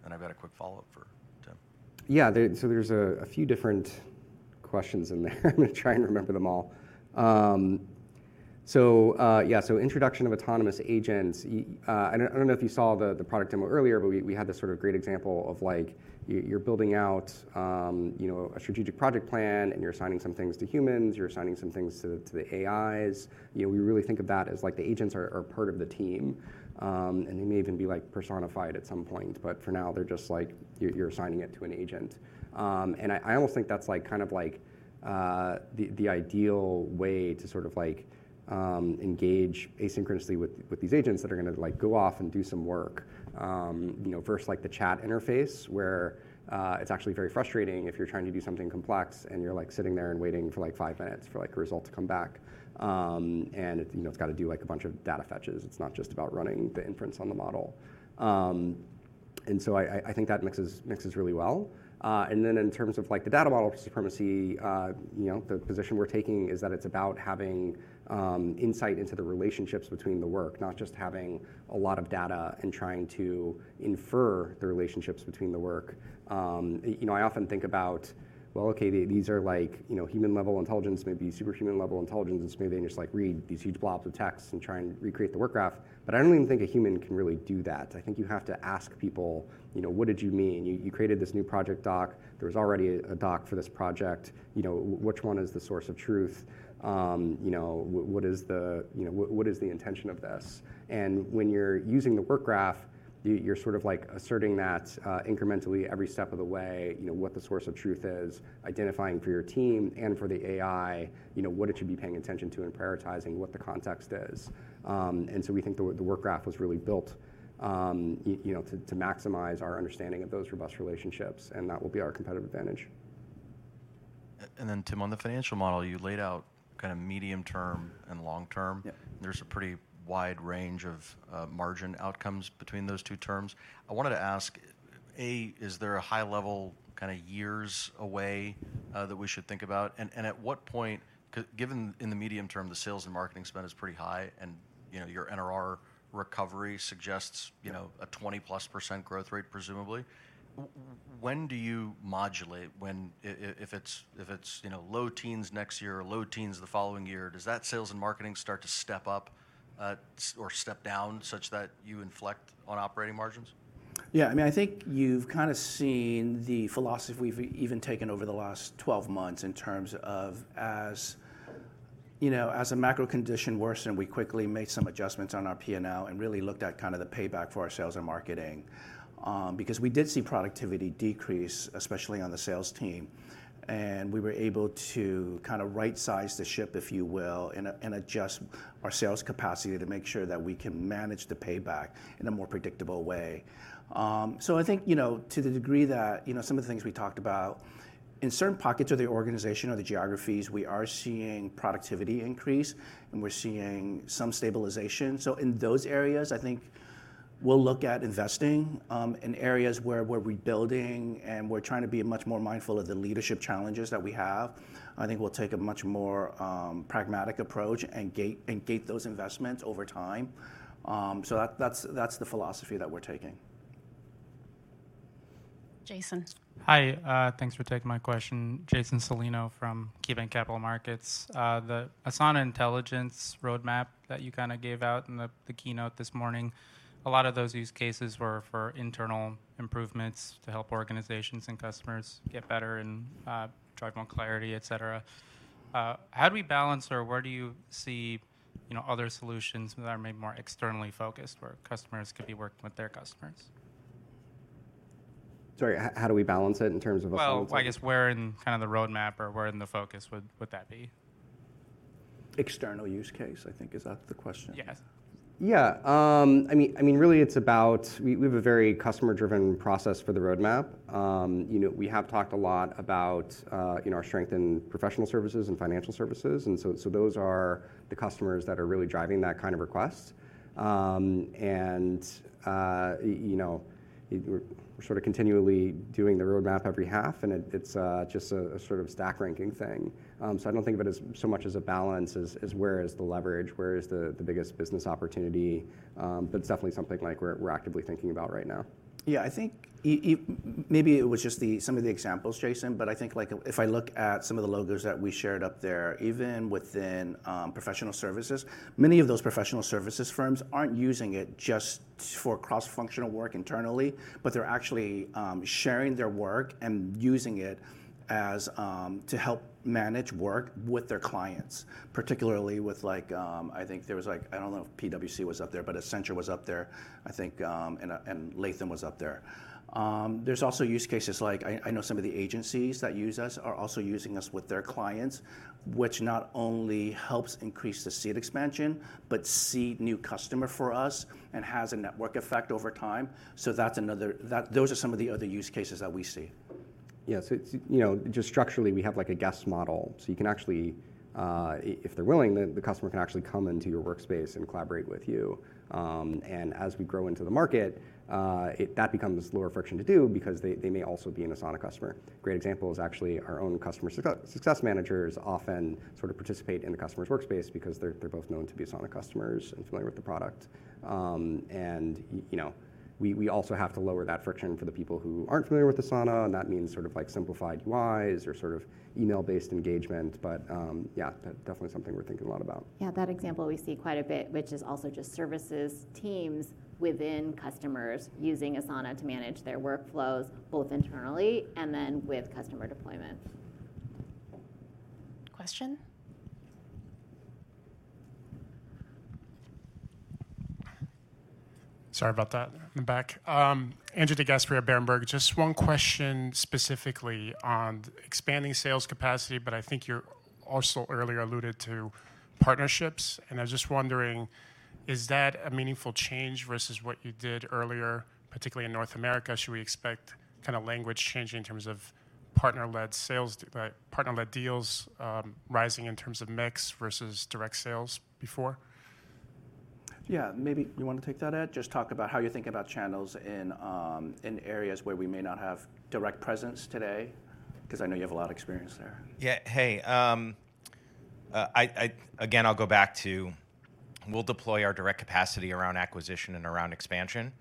And I've got a quick follow-up for Tim. Yeah, so there's a few different questions in there. I'm gonna try and remember them all. So, yeah, so introduction of autonomous agents, I don't know if you saw the product demo earlier, but we had this sort of great example of, like, you're building out, you know, a strategic project plan, and you're assigning some things to humans, you're assigning some things to the AIs. You know, we really think of that as, like, the agents are part of the team. And they may even be, like, personified at some point, but for now, they're just like you're assigning it to an agent. And I almost think that's like kind of like the ideal way to sort of like engage asynchronously with these agents that are gonna like go off and do some work. You know versus like the chat interface where it's actually very frustrating if you're trying to do something complex and you're like sitting there and waiting for like 5 minutes for like a result to come back. And it you know it's gotta do like a bunch of data fetches. It's not just about running the inference on the model. And so I think that mixes really well. And then in terms of, like, the data model supremacy, you know, the position we're taking is that it's about having insight into the relationships between the work, not just having a lot of data and trying to infer the relationships between the work. You know, I often think about, well, okay, these are like, you know, human level intelligence, maybe superhuman level intelligence, maybe, and just, like, read these huge blobs of text and try and recreate the Work Graph, but I don't even think a human can really do that. I think you have to ask people, you know, "What did you mean? You created this new project doc. There was already a doc for this project. You know, which one is the source of truth?" You know, "What is the... You know, what is the intention of this?" And when you're using the Work Graph, you're sort of, like, asserting that, incrementally every step of the way, you know, what the source of truth is, identifying for your team and for the AI, you know, what it should be paying attention to, and prioritizing what the context is. And so we think the Work Graph was really built, you know, to, to maximize our understanding of those robust relationships, and that will be our competitive advantage. And then, Tim, on the financial model, you laid out kind of medium term and long term. Yeah. There's a pretty wide range of margin outcomes between those two terms. I wanted to ask: A, is there a high level, kind of, years away that we should think about? And at what point, given in the medium term, the sales and marketing spend is pretty high, and, you know, your NRR recovery suggests, you know- Yeah... a 20%+ growth rate, presumably. When do you modulate when if it's, if it's, you know, low teens next year or low teens the following year, does that sales and marketing start to step up, or step down such that you inflect on operating margins? Yeah, I mean, I think you've kind of seen the philosophy we've even taken over the last 12 months in terms of as, you know, as the macro condition worsened, we quickly made some adjustments on our P&L and really looked at kind of the payback for our sales and marketing, because we did see productivity decrease, especially on the sales team. And we were able to kind of rightsize the ship, if you will, and adjust our sales capacity to make sure that we can manage the payback in a more predictable way. So I think, you know, to the degree that, you know, some of the things we talked about, in certain pockets of the organization or the geographies, we are seeing productivity increase, and we're seeing some stabilization. So in those areas, I think we'll look at investing in areas where we're rebuilding, and we're trying to be much more mindful of the leadership challenges that we have. I think we'll take a much more pragmatic approach and gate those investments over time. So that's the philosophy that we're taking. Jason. Hi. Thanks for taking my question. Jason Celino from KeyBanc Capital Markets. The Asana Intelligence roadmap that you kind of gave out in the keynote this morning, a lot of those use cases were for internal improvements to help organizations and customers get better and, drive more clarity, et cetera. How do we balance or where do you see, you know, other solutions that are maybe more externally focused, where customers could be working with their customers? Sorry, how do we balance it in terms of a- Well, I guess where in kind of the roadmap or where in the focus would that be? External use case, I think. Is that the question? Yes. Yeah. I mean, really, it's about... We have a very customer-driven process for the roadmap. You know, we have talked a lot about, you know, our strength in professional services and financial services, and so those are the customers that are really driving that kind of request. And, you know, we're sort of continually doing the roadmap every half, and it's just a sort of stack ranking thing. So I don't think of it as so much as a balance as where is the leverage, where is the biggest business opportunity, but it's definitely something, like, we're actively thinking about right now. Yeah, I think maybe it was just some of the examples, Jason, but I think, like, if I look at some of the logos that we shared up there, even within professional services, many of those professional services firms aren't using it just for cross-functional work internally, but they're actually sharing their work and using it as to help manage work with their clients. Particularly with, like, I think there was, like... I don't know if PwC was up there, but Accenture was up there, I think, and, and Latham was up there. There's also use cases, like I know some of the agencies that use us are also using us with their clients, which not only helps increase the seat expansion, but seed new customer for us and has a network effect over time. So those are some of the other use cases that we see. ... yeah, so it's, you know, just structurally, we have like a guest model, so you can actually if they're willing, the customer can actually come into your workspace and collaborate with you. And as we grow into the market, that becomes lower friction to do because they may also be an Asana customer. Great example is actually our own customer success managers often sort of participate in the customer's workspace because they're both known to be Asana customers and familiar with the product. You know, we also have to lower that friction for the people who aren't familiar with Asana, and that means sort of like simplified UIs or sort of email-based engagement. But yeah, that's definitely something we're thinking a lot about. Yeah, that example we see quite a bit, which is also just services teams within customers using Asana to manage their workflows, both internally and then with customer deployment. Question? Sorry about that. In the back. Andrew DeGasperi at Berenberg. Just one question specifically on expanding sales capacity, but I think you're also earlier alluded to partnerships, and I was just wondering, is that a meaningful change versus what you did earlier, particularly in North America? Should we expect kinda language changing in terms of partner-led sales, partner-led deals, rising in terms of mix versus direct sales before? Yeah, maybe you want to take that, Ed? Just talk about how you think about channels in, in areas where we may not have direct presence today, 'cause I know you have a lot of experience there. Yeah. Hey, again, I'll go back to we'll deploy our direct capacity around acquisition and around expansion.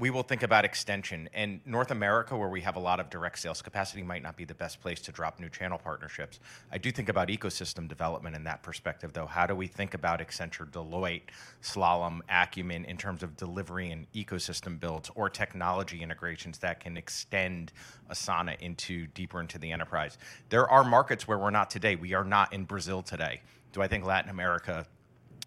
We will think about extension, and North America, where we have a lot of direct sales capacity, might not be the best place to drop new channel partnerships. I do think about ecosystem development in that perspective, though. How do we think about Accenture, Deloitte, Slalom, Acumen, in terms of delivering in ecosystem builds or technology integrations that can extend Asana into deeper into the enterprise? There are markets where we're not today. We are not in Brazil today. Do I think Latin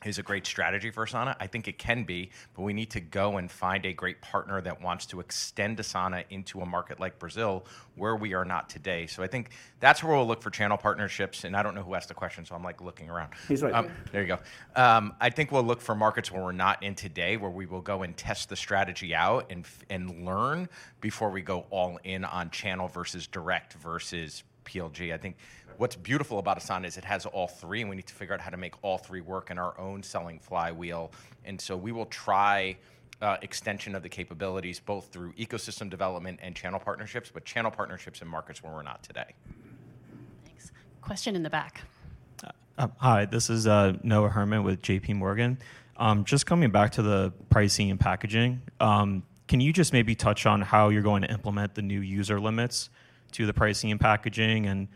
America is a great strategy for Asana? I think it can be, but we need to go and find a great partner that wants to extend Asana into a market like Brazil, where we are not today. So I think that's where we'll look for channel partnerships, and I don't know who asked the question, so I'm, like, looking around. He's right here. There you go. I think we'll look for markets where we're not in today, where we will go and test the strategy out and learn before we go all in on channel versus direct versus PLG. I think what's beautiful about Asana is it has all three, and we need to figure out how to make all three work in our own selling flywheel. And so we will try extension of the capabilities, both through ecosystem development and channel partnerships, but channel partnerships in markets where we're not today. Thanks. Question in the back. Hi, this is Noah Herman with JP Morgan. Just coming back to the pricing and packaging, can you just maybe touch on how you're going to implement the new user limits to the pricing and packaging? And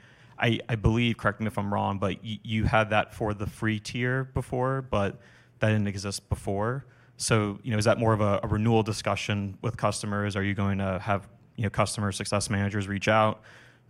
I believe, correct me if I'm wrong, but you had that for the free tier before, but that didn't exist before. So, you know, is that more of a renewal discussion with customers? Are you going to have, you know, customer success managers reach out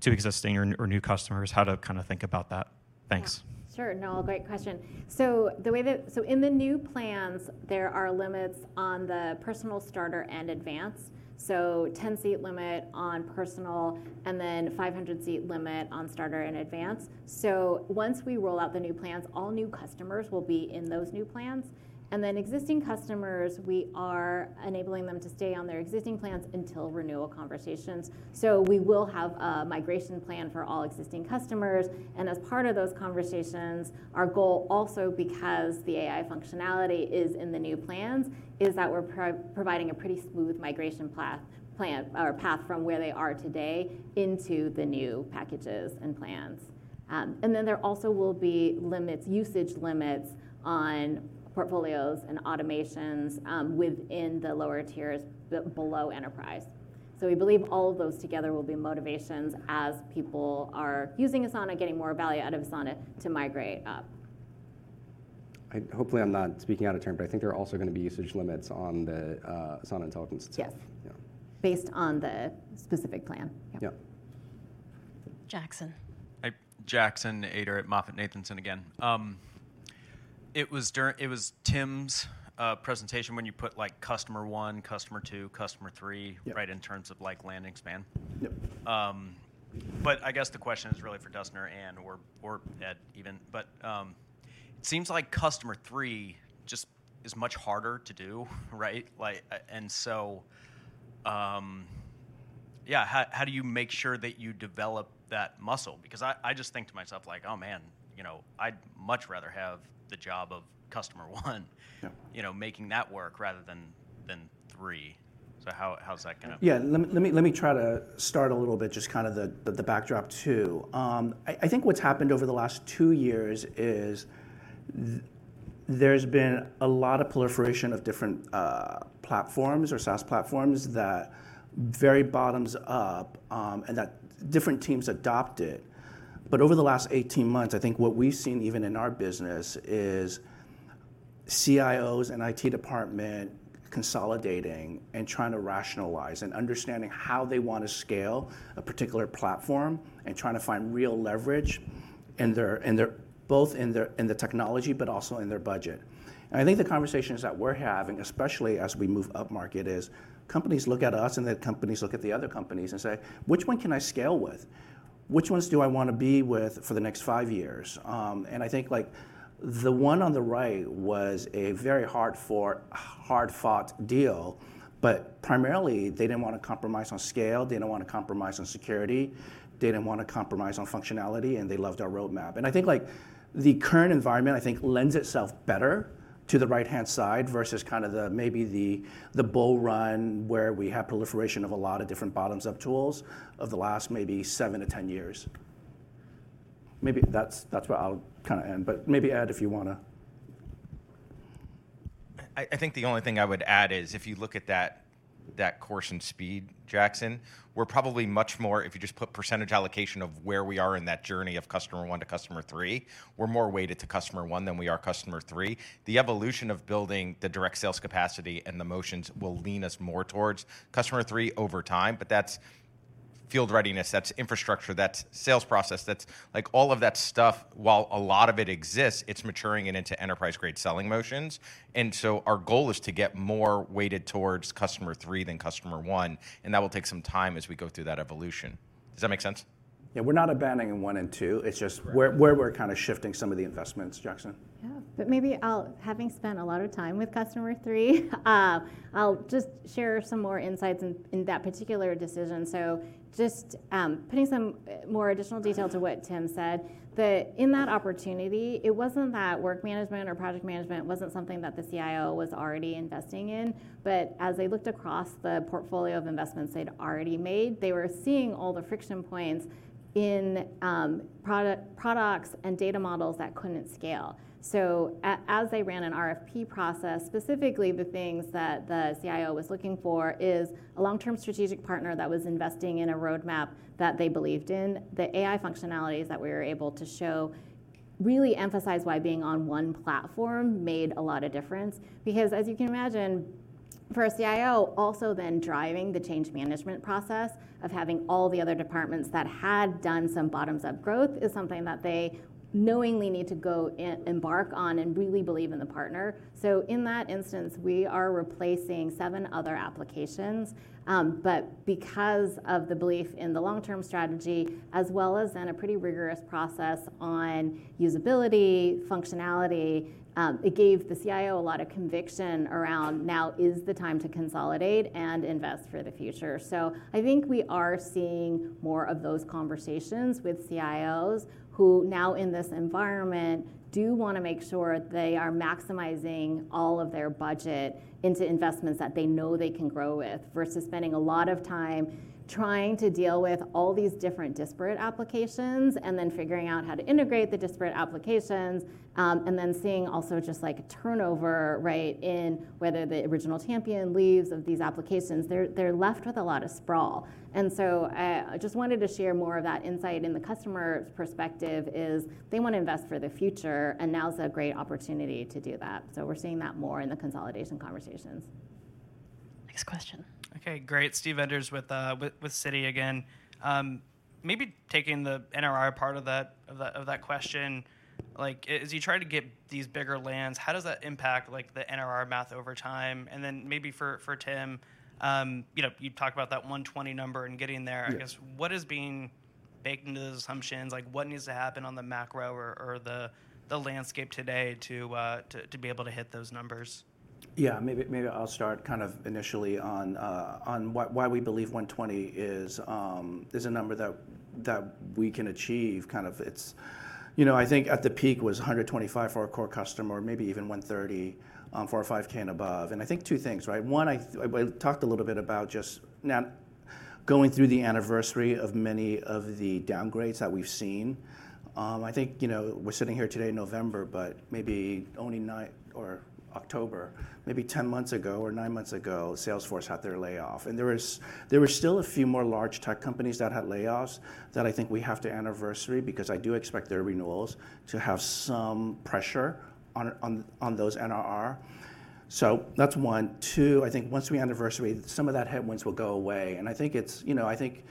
to existing or new customers? How to kinda think about that. Thanks. Yeah. Sure, Noah, great question. So in the new plans, there are limits on the Personal, Starter, and Advanced, so 10-seat limit on personal, and then 500-seat limit on starter and advanced. So once we roll out the new plans, all new customers will be in those new plans, and then existing customers, we are enabling them to stay on their existing plans until renewal conversations. So we will have a migration plan for all existing customers, and as part of those conversations, our goal also, because the AI functionality is in the new plans, is that we're providing a pretty smooth migration plan, or path from where they are today into the new packages and plans. And then there also will be limits, usage limits on portfolios and automations, within the lower tiers, the below Enterprise. We believe all of those together will be motivations as people are using Asana, getting more value out of Asana, to migrate up. Hopefully, I'm not speaking out of turn, but I think there are also gonna be usage limits on the Asana Intelligence as well. Yes. Yeah. Based on the specific plan. Yeah. Yeah. Jackson. Hi. Jackson Ader at MoffettNathanson again. It was during Tim's presentation when you put like customer one, customer two, customer three- Yeah... right, in terms of, like, land and expand. Yep. But I guess the question is really for Dustin and, or, or Ed even, but, it seems like customer three just is much harder to do, right? Like, and so, yeah, how, how do you make sure that you develop that muscle? Because I, I just think to myself, like, "Oh, man, you know, I'd much rather have the job of customer one- Yeah... you know, making that work rather than three. So how's that gonna- Yeah, let me try to start a little bit, just kind of the backdrop too. I think what's happened over the last two years is there's been a lot of proliferation of different platforms or SaaS platforms that very bottoms up, and that different teams adopted. But over the last 18 months, I think what we've seen, even in our business, is CIOs and IT department consolidating and trying to rationalize and understanding how they want to scale a particular platform and trying to find real leverage in their in the technology, but also in their budget. And I think the conversations that we're having, especially as we move upmarket, is companies look at us, and then companies look at the other companies and say: "Which one can I scale with?"... Which ones do I wanna be with for the next five years? And I think, like, the one on the right was a very hard-fought, hard-fought deal, but primarily, they didn't wanna compromise on scale, they didn't wanna compromise on security, they didn't wanna compromise on functionality, and they loved our roadmap. And I think, like, the current environment, I think, lends itself better to the right-hand side versus kind of the, maybe the, the bull run, where we had proliferation of a lot of different bottoms-up tools of the last maybe 7 to 10 years. Maybe that's, that's where I'll kinda end, but maybe add, if you wanna. I think the only thing I would add is, if you look at that course and speed, Jackson, we're probably much more... If you just put percentage allocation of where we are in that journey of customer one to customer three, we're more weighted to customer one than we are customer three. The evolution of building the direct sales capacity and the motions will lean us more towards customer three over time, but that's field readiness, that's infrastructure, that's sales process, that's, like, all of that stuff, while a lot of it exists, it's maturing it into enterprise-grade selling motions. And so our goal is to get more weighted towards customer three than customer one, and that will take some time as we go through that evolution. Does that make sense? Yeah, we're not abandoning one and two, it's just- Correct... where we're kinda shifting some of the investments, Jackson. Yeah. But maybe I'll, having spent a lot of time with customer three, I'll just share some more insights in that particular decision. So just, putting some more additional detail to what Tim said, that in that opportunity, it wasn't that work management or project management wasn't something that the CIO was already investing in, but as they looked across the portfolio of investments they'd already made, they were seeing all the friction points in product, products and data models that couldn't scale. So as they ran an RFP process, specifically the things that the CIO was looking for is a long-term strategic partner that was investing in a roadmap that they believed in. The AI functionalities that we were able to show really emphasize why being on one platform made a lot of difference. Because, as you can imagine, for a CIO, also then driving the change management process of having all the other departments that had done some bottoms-up growth, is something that they knowingly need to go and embark on and really believe in the partner. So in that instance, we are replacing seven other applications, but because of the belief in the long-term strategy, as well as then a pretty rigorous process on usability, functionality, it gave the CIO a lot of conviction around, now is the time to consolidate and invest for the future. So I think we are seeing more of those conversations with CIOs, who now in this environment, do wanna make sure they are maximizing all of their budget into investments that they know they can grow with, versus spending a lot of time trying to deal with all these different disparate applications, and then figuring out how to integrate the disparate applications. And then seeing also just, like, a turnover, right, in whether the original champion leaves of these applications. They're left with a lot of sprawl. And so, I just wanted to share more of that insight. In the customer's perspective is, they wanna invest for the future, and now is a great opportunity to do that. So we're seeing that more in the consolidation conversations. Next question. Okay, great. Steve Enders with Citi again. Maybe taking the NRR part of that question, like, as you try to get these bigger lands, how does that impact, like, the NRR math over time? And then maybe for Tim, you know, you talked about that 120 number and getting there. Yeah. I guess, what is being baked into those assumptions? Like, what needs to happen on the macro or the landscape today to be able to hit those numbers? Yeah, maybe, maybe I'll start kind of initially on why we believe 120 is a number that we can achieve. Kind of it's... You know, I think at the peak was 125 for our core customer, or maybe even 130 for our 5K and above. And I think two things, right? One, I talked a little bit about just now going through the anniversary of many of the downgrades that we've seen. I think, you know, we're sitting here today in November, but maybe only nine or October, maybe 10 months ago or nine months ago, Salesforce had their layoff. There were still a few more large tech companies that had layoffs, that I think we have to anniversary, because I do expect their renewals to have some pressure on those NRR. So that's one. Two, I think once we anniversary, some of that headwinds will go away, and I think it's, you know, I think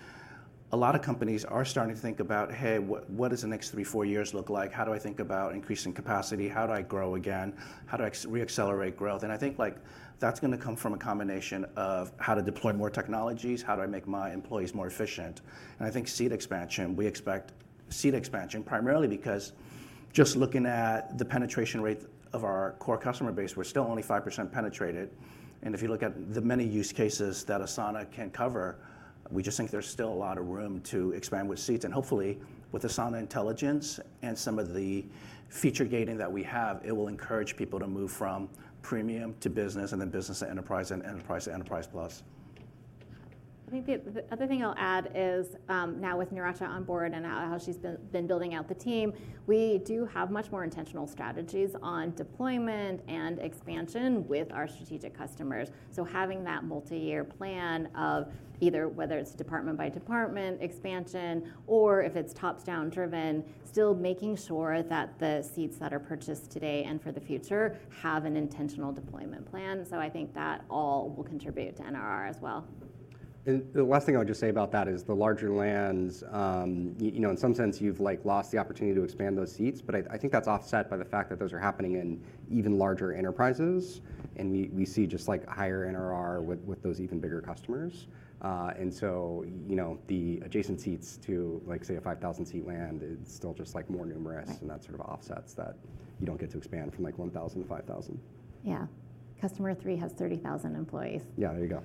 a lot of companies are starting to think about, "Hey, what does the next 3, 4 years look like? How do I think about increasing capacity? How do I grow again? How do I reaccelerate growth?" And I think, like, that's gonna come from a combination of how to deploy more technologies, how do I make my employees more efficient? I think seat expansion, we expect seat expansion, primarily because just looking at the penetration rate of our core customer base, we're still only 5% penetrated, and if you look at the many use cases that Asana can cover, we just think there's still a lot of room to expand with seats. Hopefully, with Asana Intelligence and some of the feature gating that we have, it will encourage people to move from Premium to Business, and then Business to Enterprise, and Enterprise to Enterprise Plus. I think the other thing I'll add is, now with Neeracha on board and how she's been building out the team, we do have much more intentional strategies on deployment and expansion with our strategic customers. So having that multi-year plan of either, whether it's department by department expansion, or if it's tops-down driven, still making sure that the seats that are purchased today and for the future have an intentional deployment plan. So I think that all will contribute to NRR as well. And the last thing I would just say about that is the larger lands, you know, in some sense, you've, like, lost the opportunity to expand those seats, but I think that's offset by the fact that those are happening in even larger enterprises, and we see just, like, higher NRR with those even bigger customers. And so, you know, the adjacent seats to, like, say, a 5,000-seat land, is still just, like, more numerous- Right... and that sort of offsets that you don't get to expand from, like, 1,000 to 5,000. Yeah. Customer 3 has 30,000 employees. Yeah, there you go.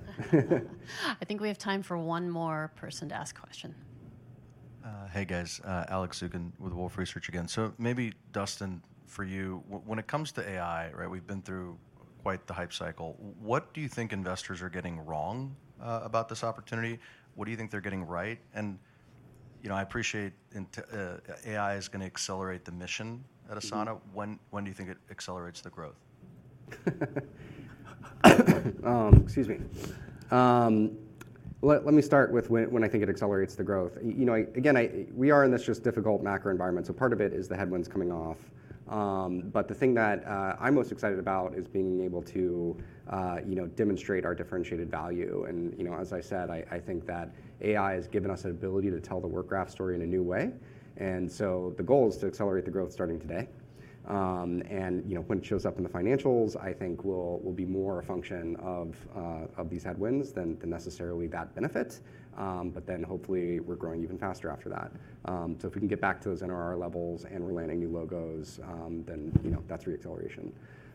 I think we have time for one more person to ask a question. Hey, guys, Alex Zukin with Wolfe Research again. So maybe Dustin, for you, when it comes to AI, right, we've been through quite the hype cycle. What do you think investors are getting wrong about this opportunity? What do you think they're getting right? And, you know, I appreciate AI is gonna accelerate the mission at Asana. When do you think it accelerates the growth? Excuse me. Let me start with when I think it accelerates the growth. You know, again, we are in this just difficult macro environment, so part of it is the headwinds coming off. But the thing that I'm most excited about is being able to, you know, demonstrate our differentiated value. And, you know, as I said, I think that AI has given us an ability to tell the Work Graph story in a new way. And so the goal is to accelerate the growth starting today. And, you know, when it shows up in the financials, I think will be more a function of these headwinds than the necessarily that benefit. But then hopefully, we're growing even faster after that. So if we can get back to those NRR levels and we're landing new logos, then, you know, that's reacceleration.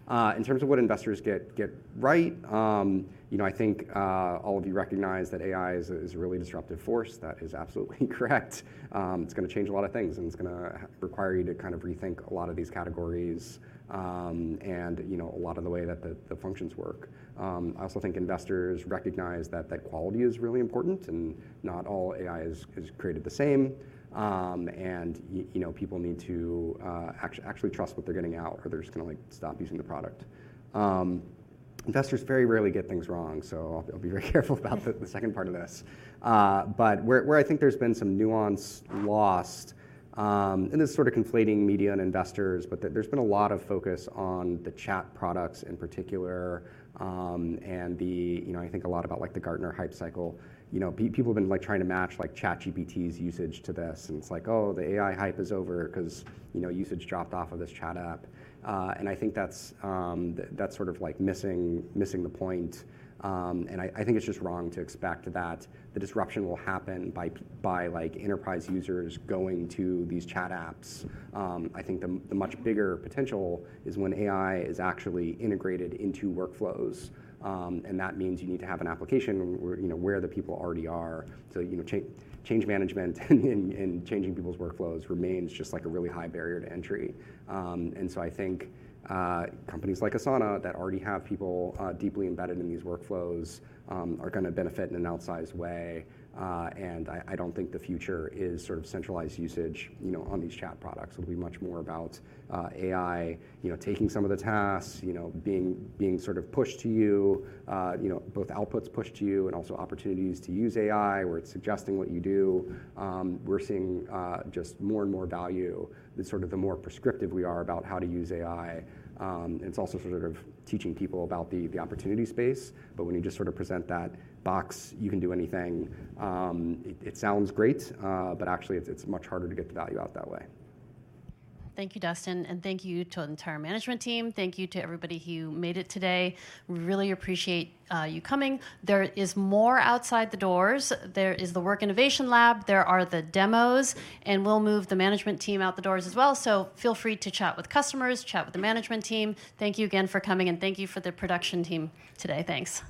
In terms of what investors get, get right, you know, I think all of you recognize that AI is a, is a really disruptive force. That is absolutely correct. It's gonna change a lot of things, and it's gonna require you to kind of rethink a lot of these categories, and, you know, a lot of the way that the, the functions work. I also think investors recognize that the quality is really important, and not all AI is, is created the same. And you know, people need to actually trust what they're getting out, or they're just gonna, like, stop using the product. Investors very rarely get things wrong, so I'll be very careful about the second part of this. But where I think there's been some nuance lost, and this is sort of conflating media and investors, but there's been a lot of focus on the chat products in particular, and the, you know, I think a lot about, like, the Gartner Hype Cycle. You know, people have been, like, trying to match, like, ChatGPT's usage to this, and it's like: Oh, the AI hype is over 'cause, you know, usage dropped off of this chat app. And I think that's sort of like missing the point. And I think it's just wrong to expect that the disruption will happen by, like, enterprise users going to these chat apps. I think the much bigger potential is when AI is actually integrated into workflows, and that means you need to have an application where, you know, where the people already are. So, you know, change management and changing people's workflows remains just, like, a really high barrier to entry. And so I think companies like Asana that already have people deeply embedded in these workflows are gonna benefit in an outsized way. And I don't think the future is sort of centralized usage, you know, on these chat products. It'll be much more about AI, you know, taking some of the tasks, you know, being sort of pushed to you, you know, both outputs pushed to you and also opportunities to use AI, where it's suggesting what you do. We're seeing just more and more value than sort of the more prescriptive we are about how to use AI. And it's also sort of teaching people about the opportunity space. But when you just sort of present that box, you can do anything, it sounds great, but actually, it's much harder to get the value out that way. Thank you, Dustin, and thank you to the entire management team. Thank you to everybody who made it today. Really appreciate you coming. There is more outside the doors. There is the Work Innovation Lab, there are the demos, and we'll move the management team out the doors as well. So feel free to chat with customers, chat with the management team. Thank you again for coming, and thank you for the production team today. Thanks.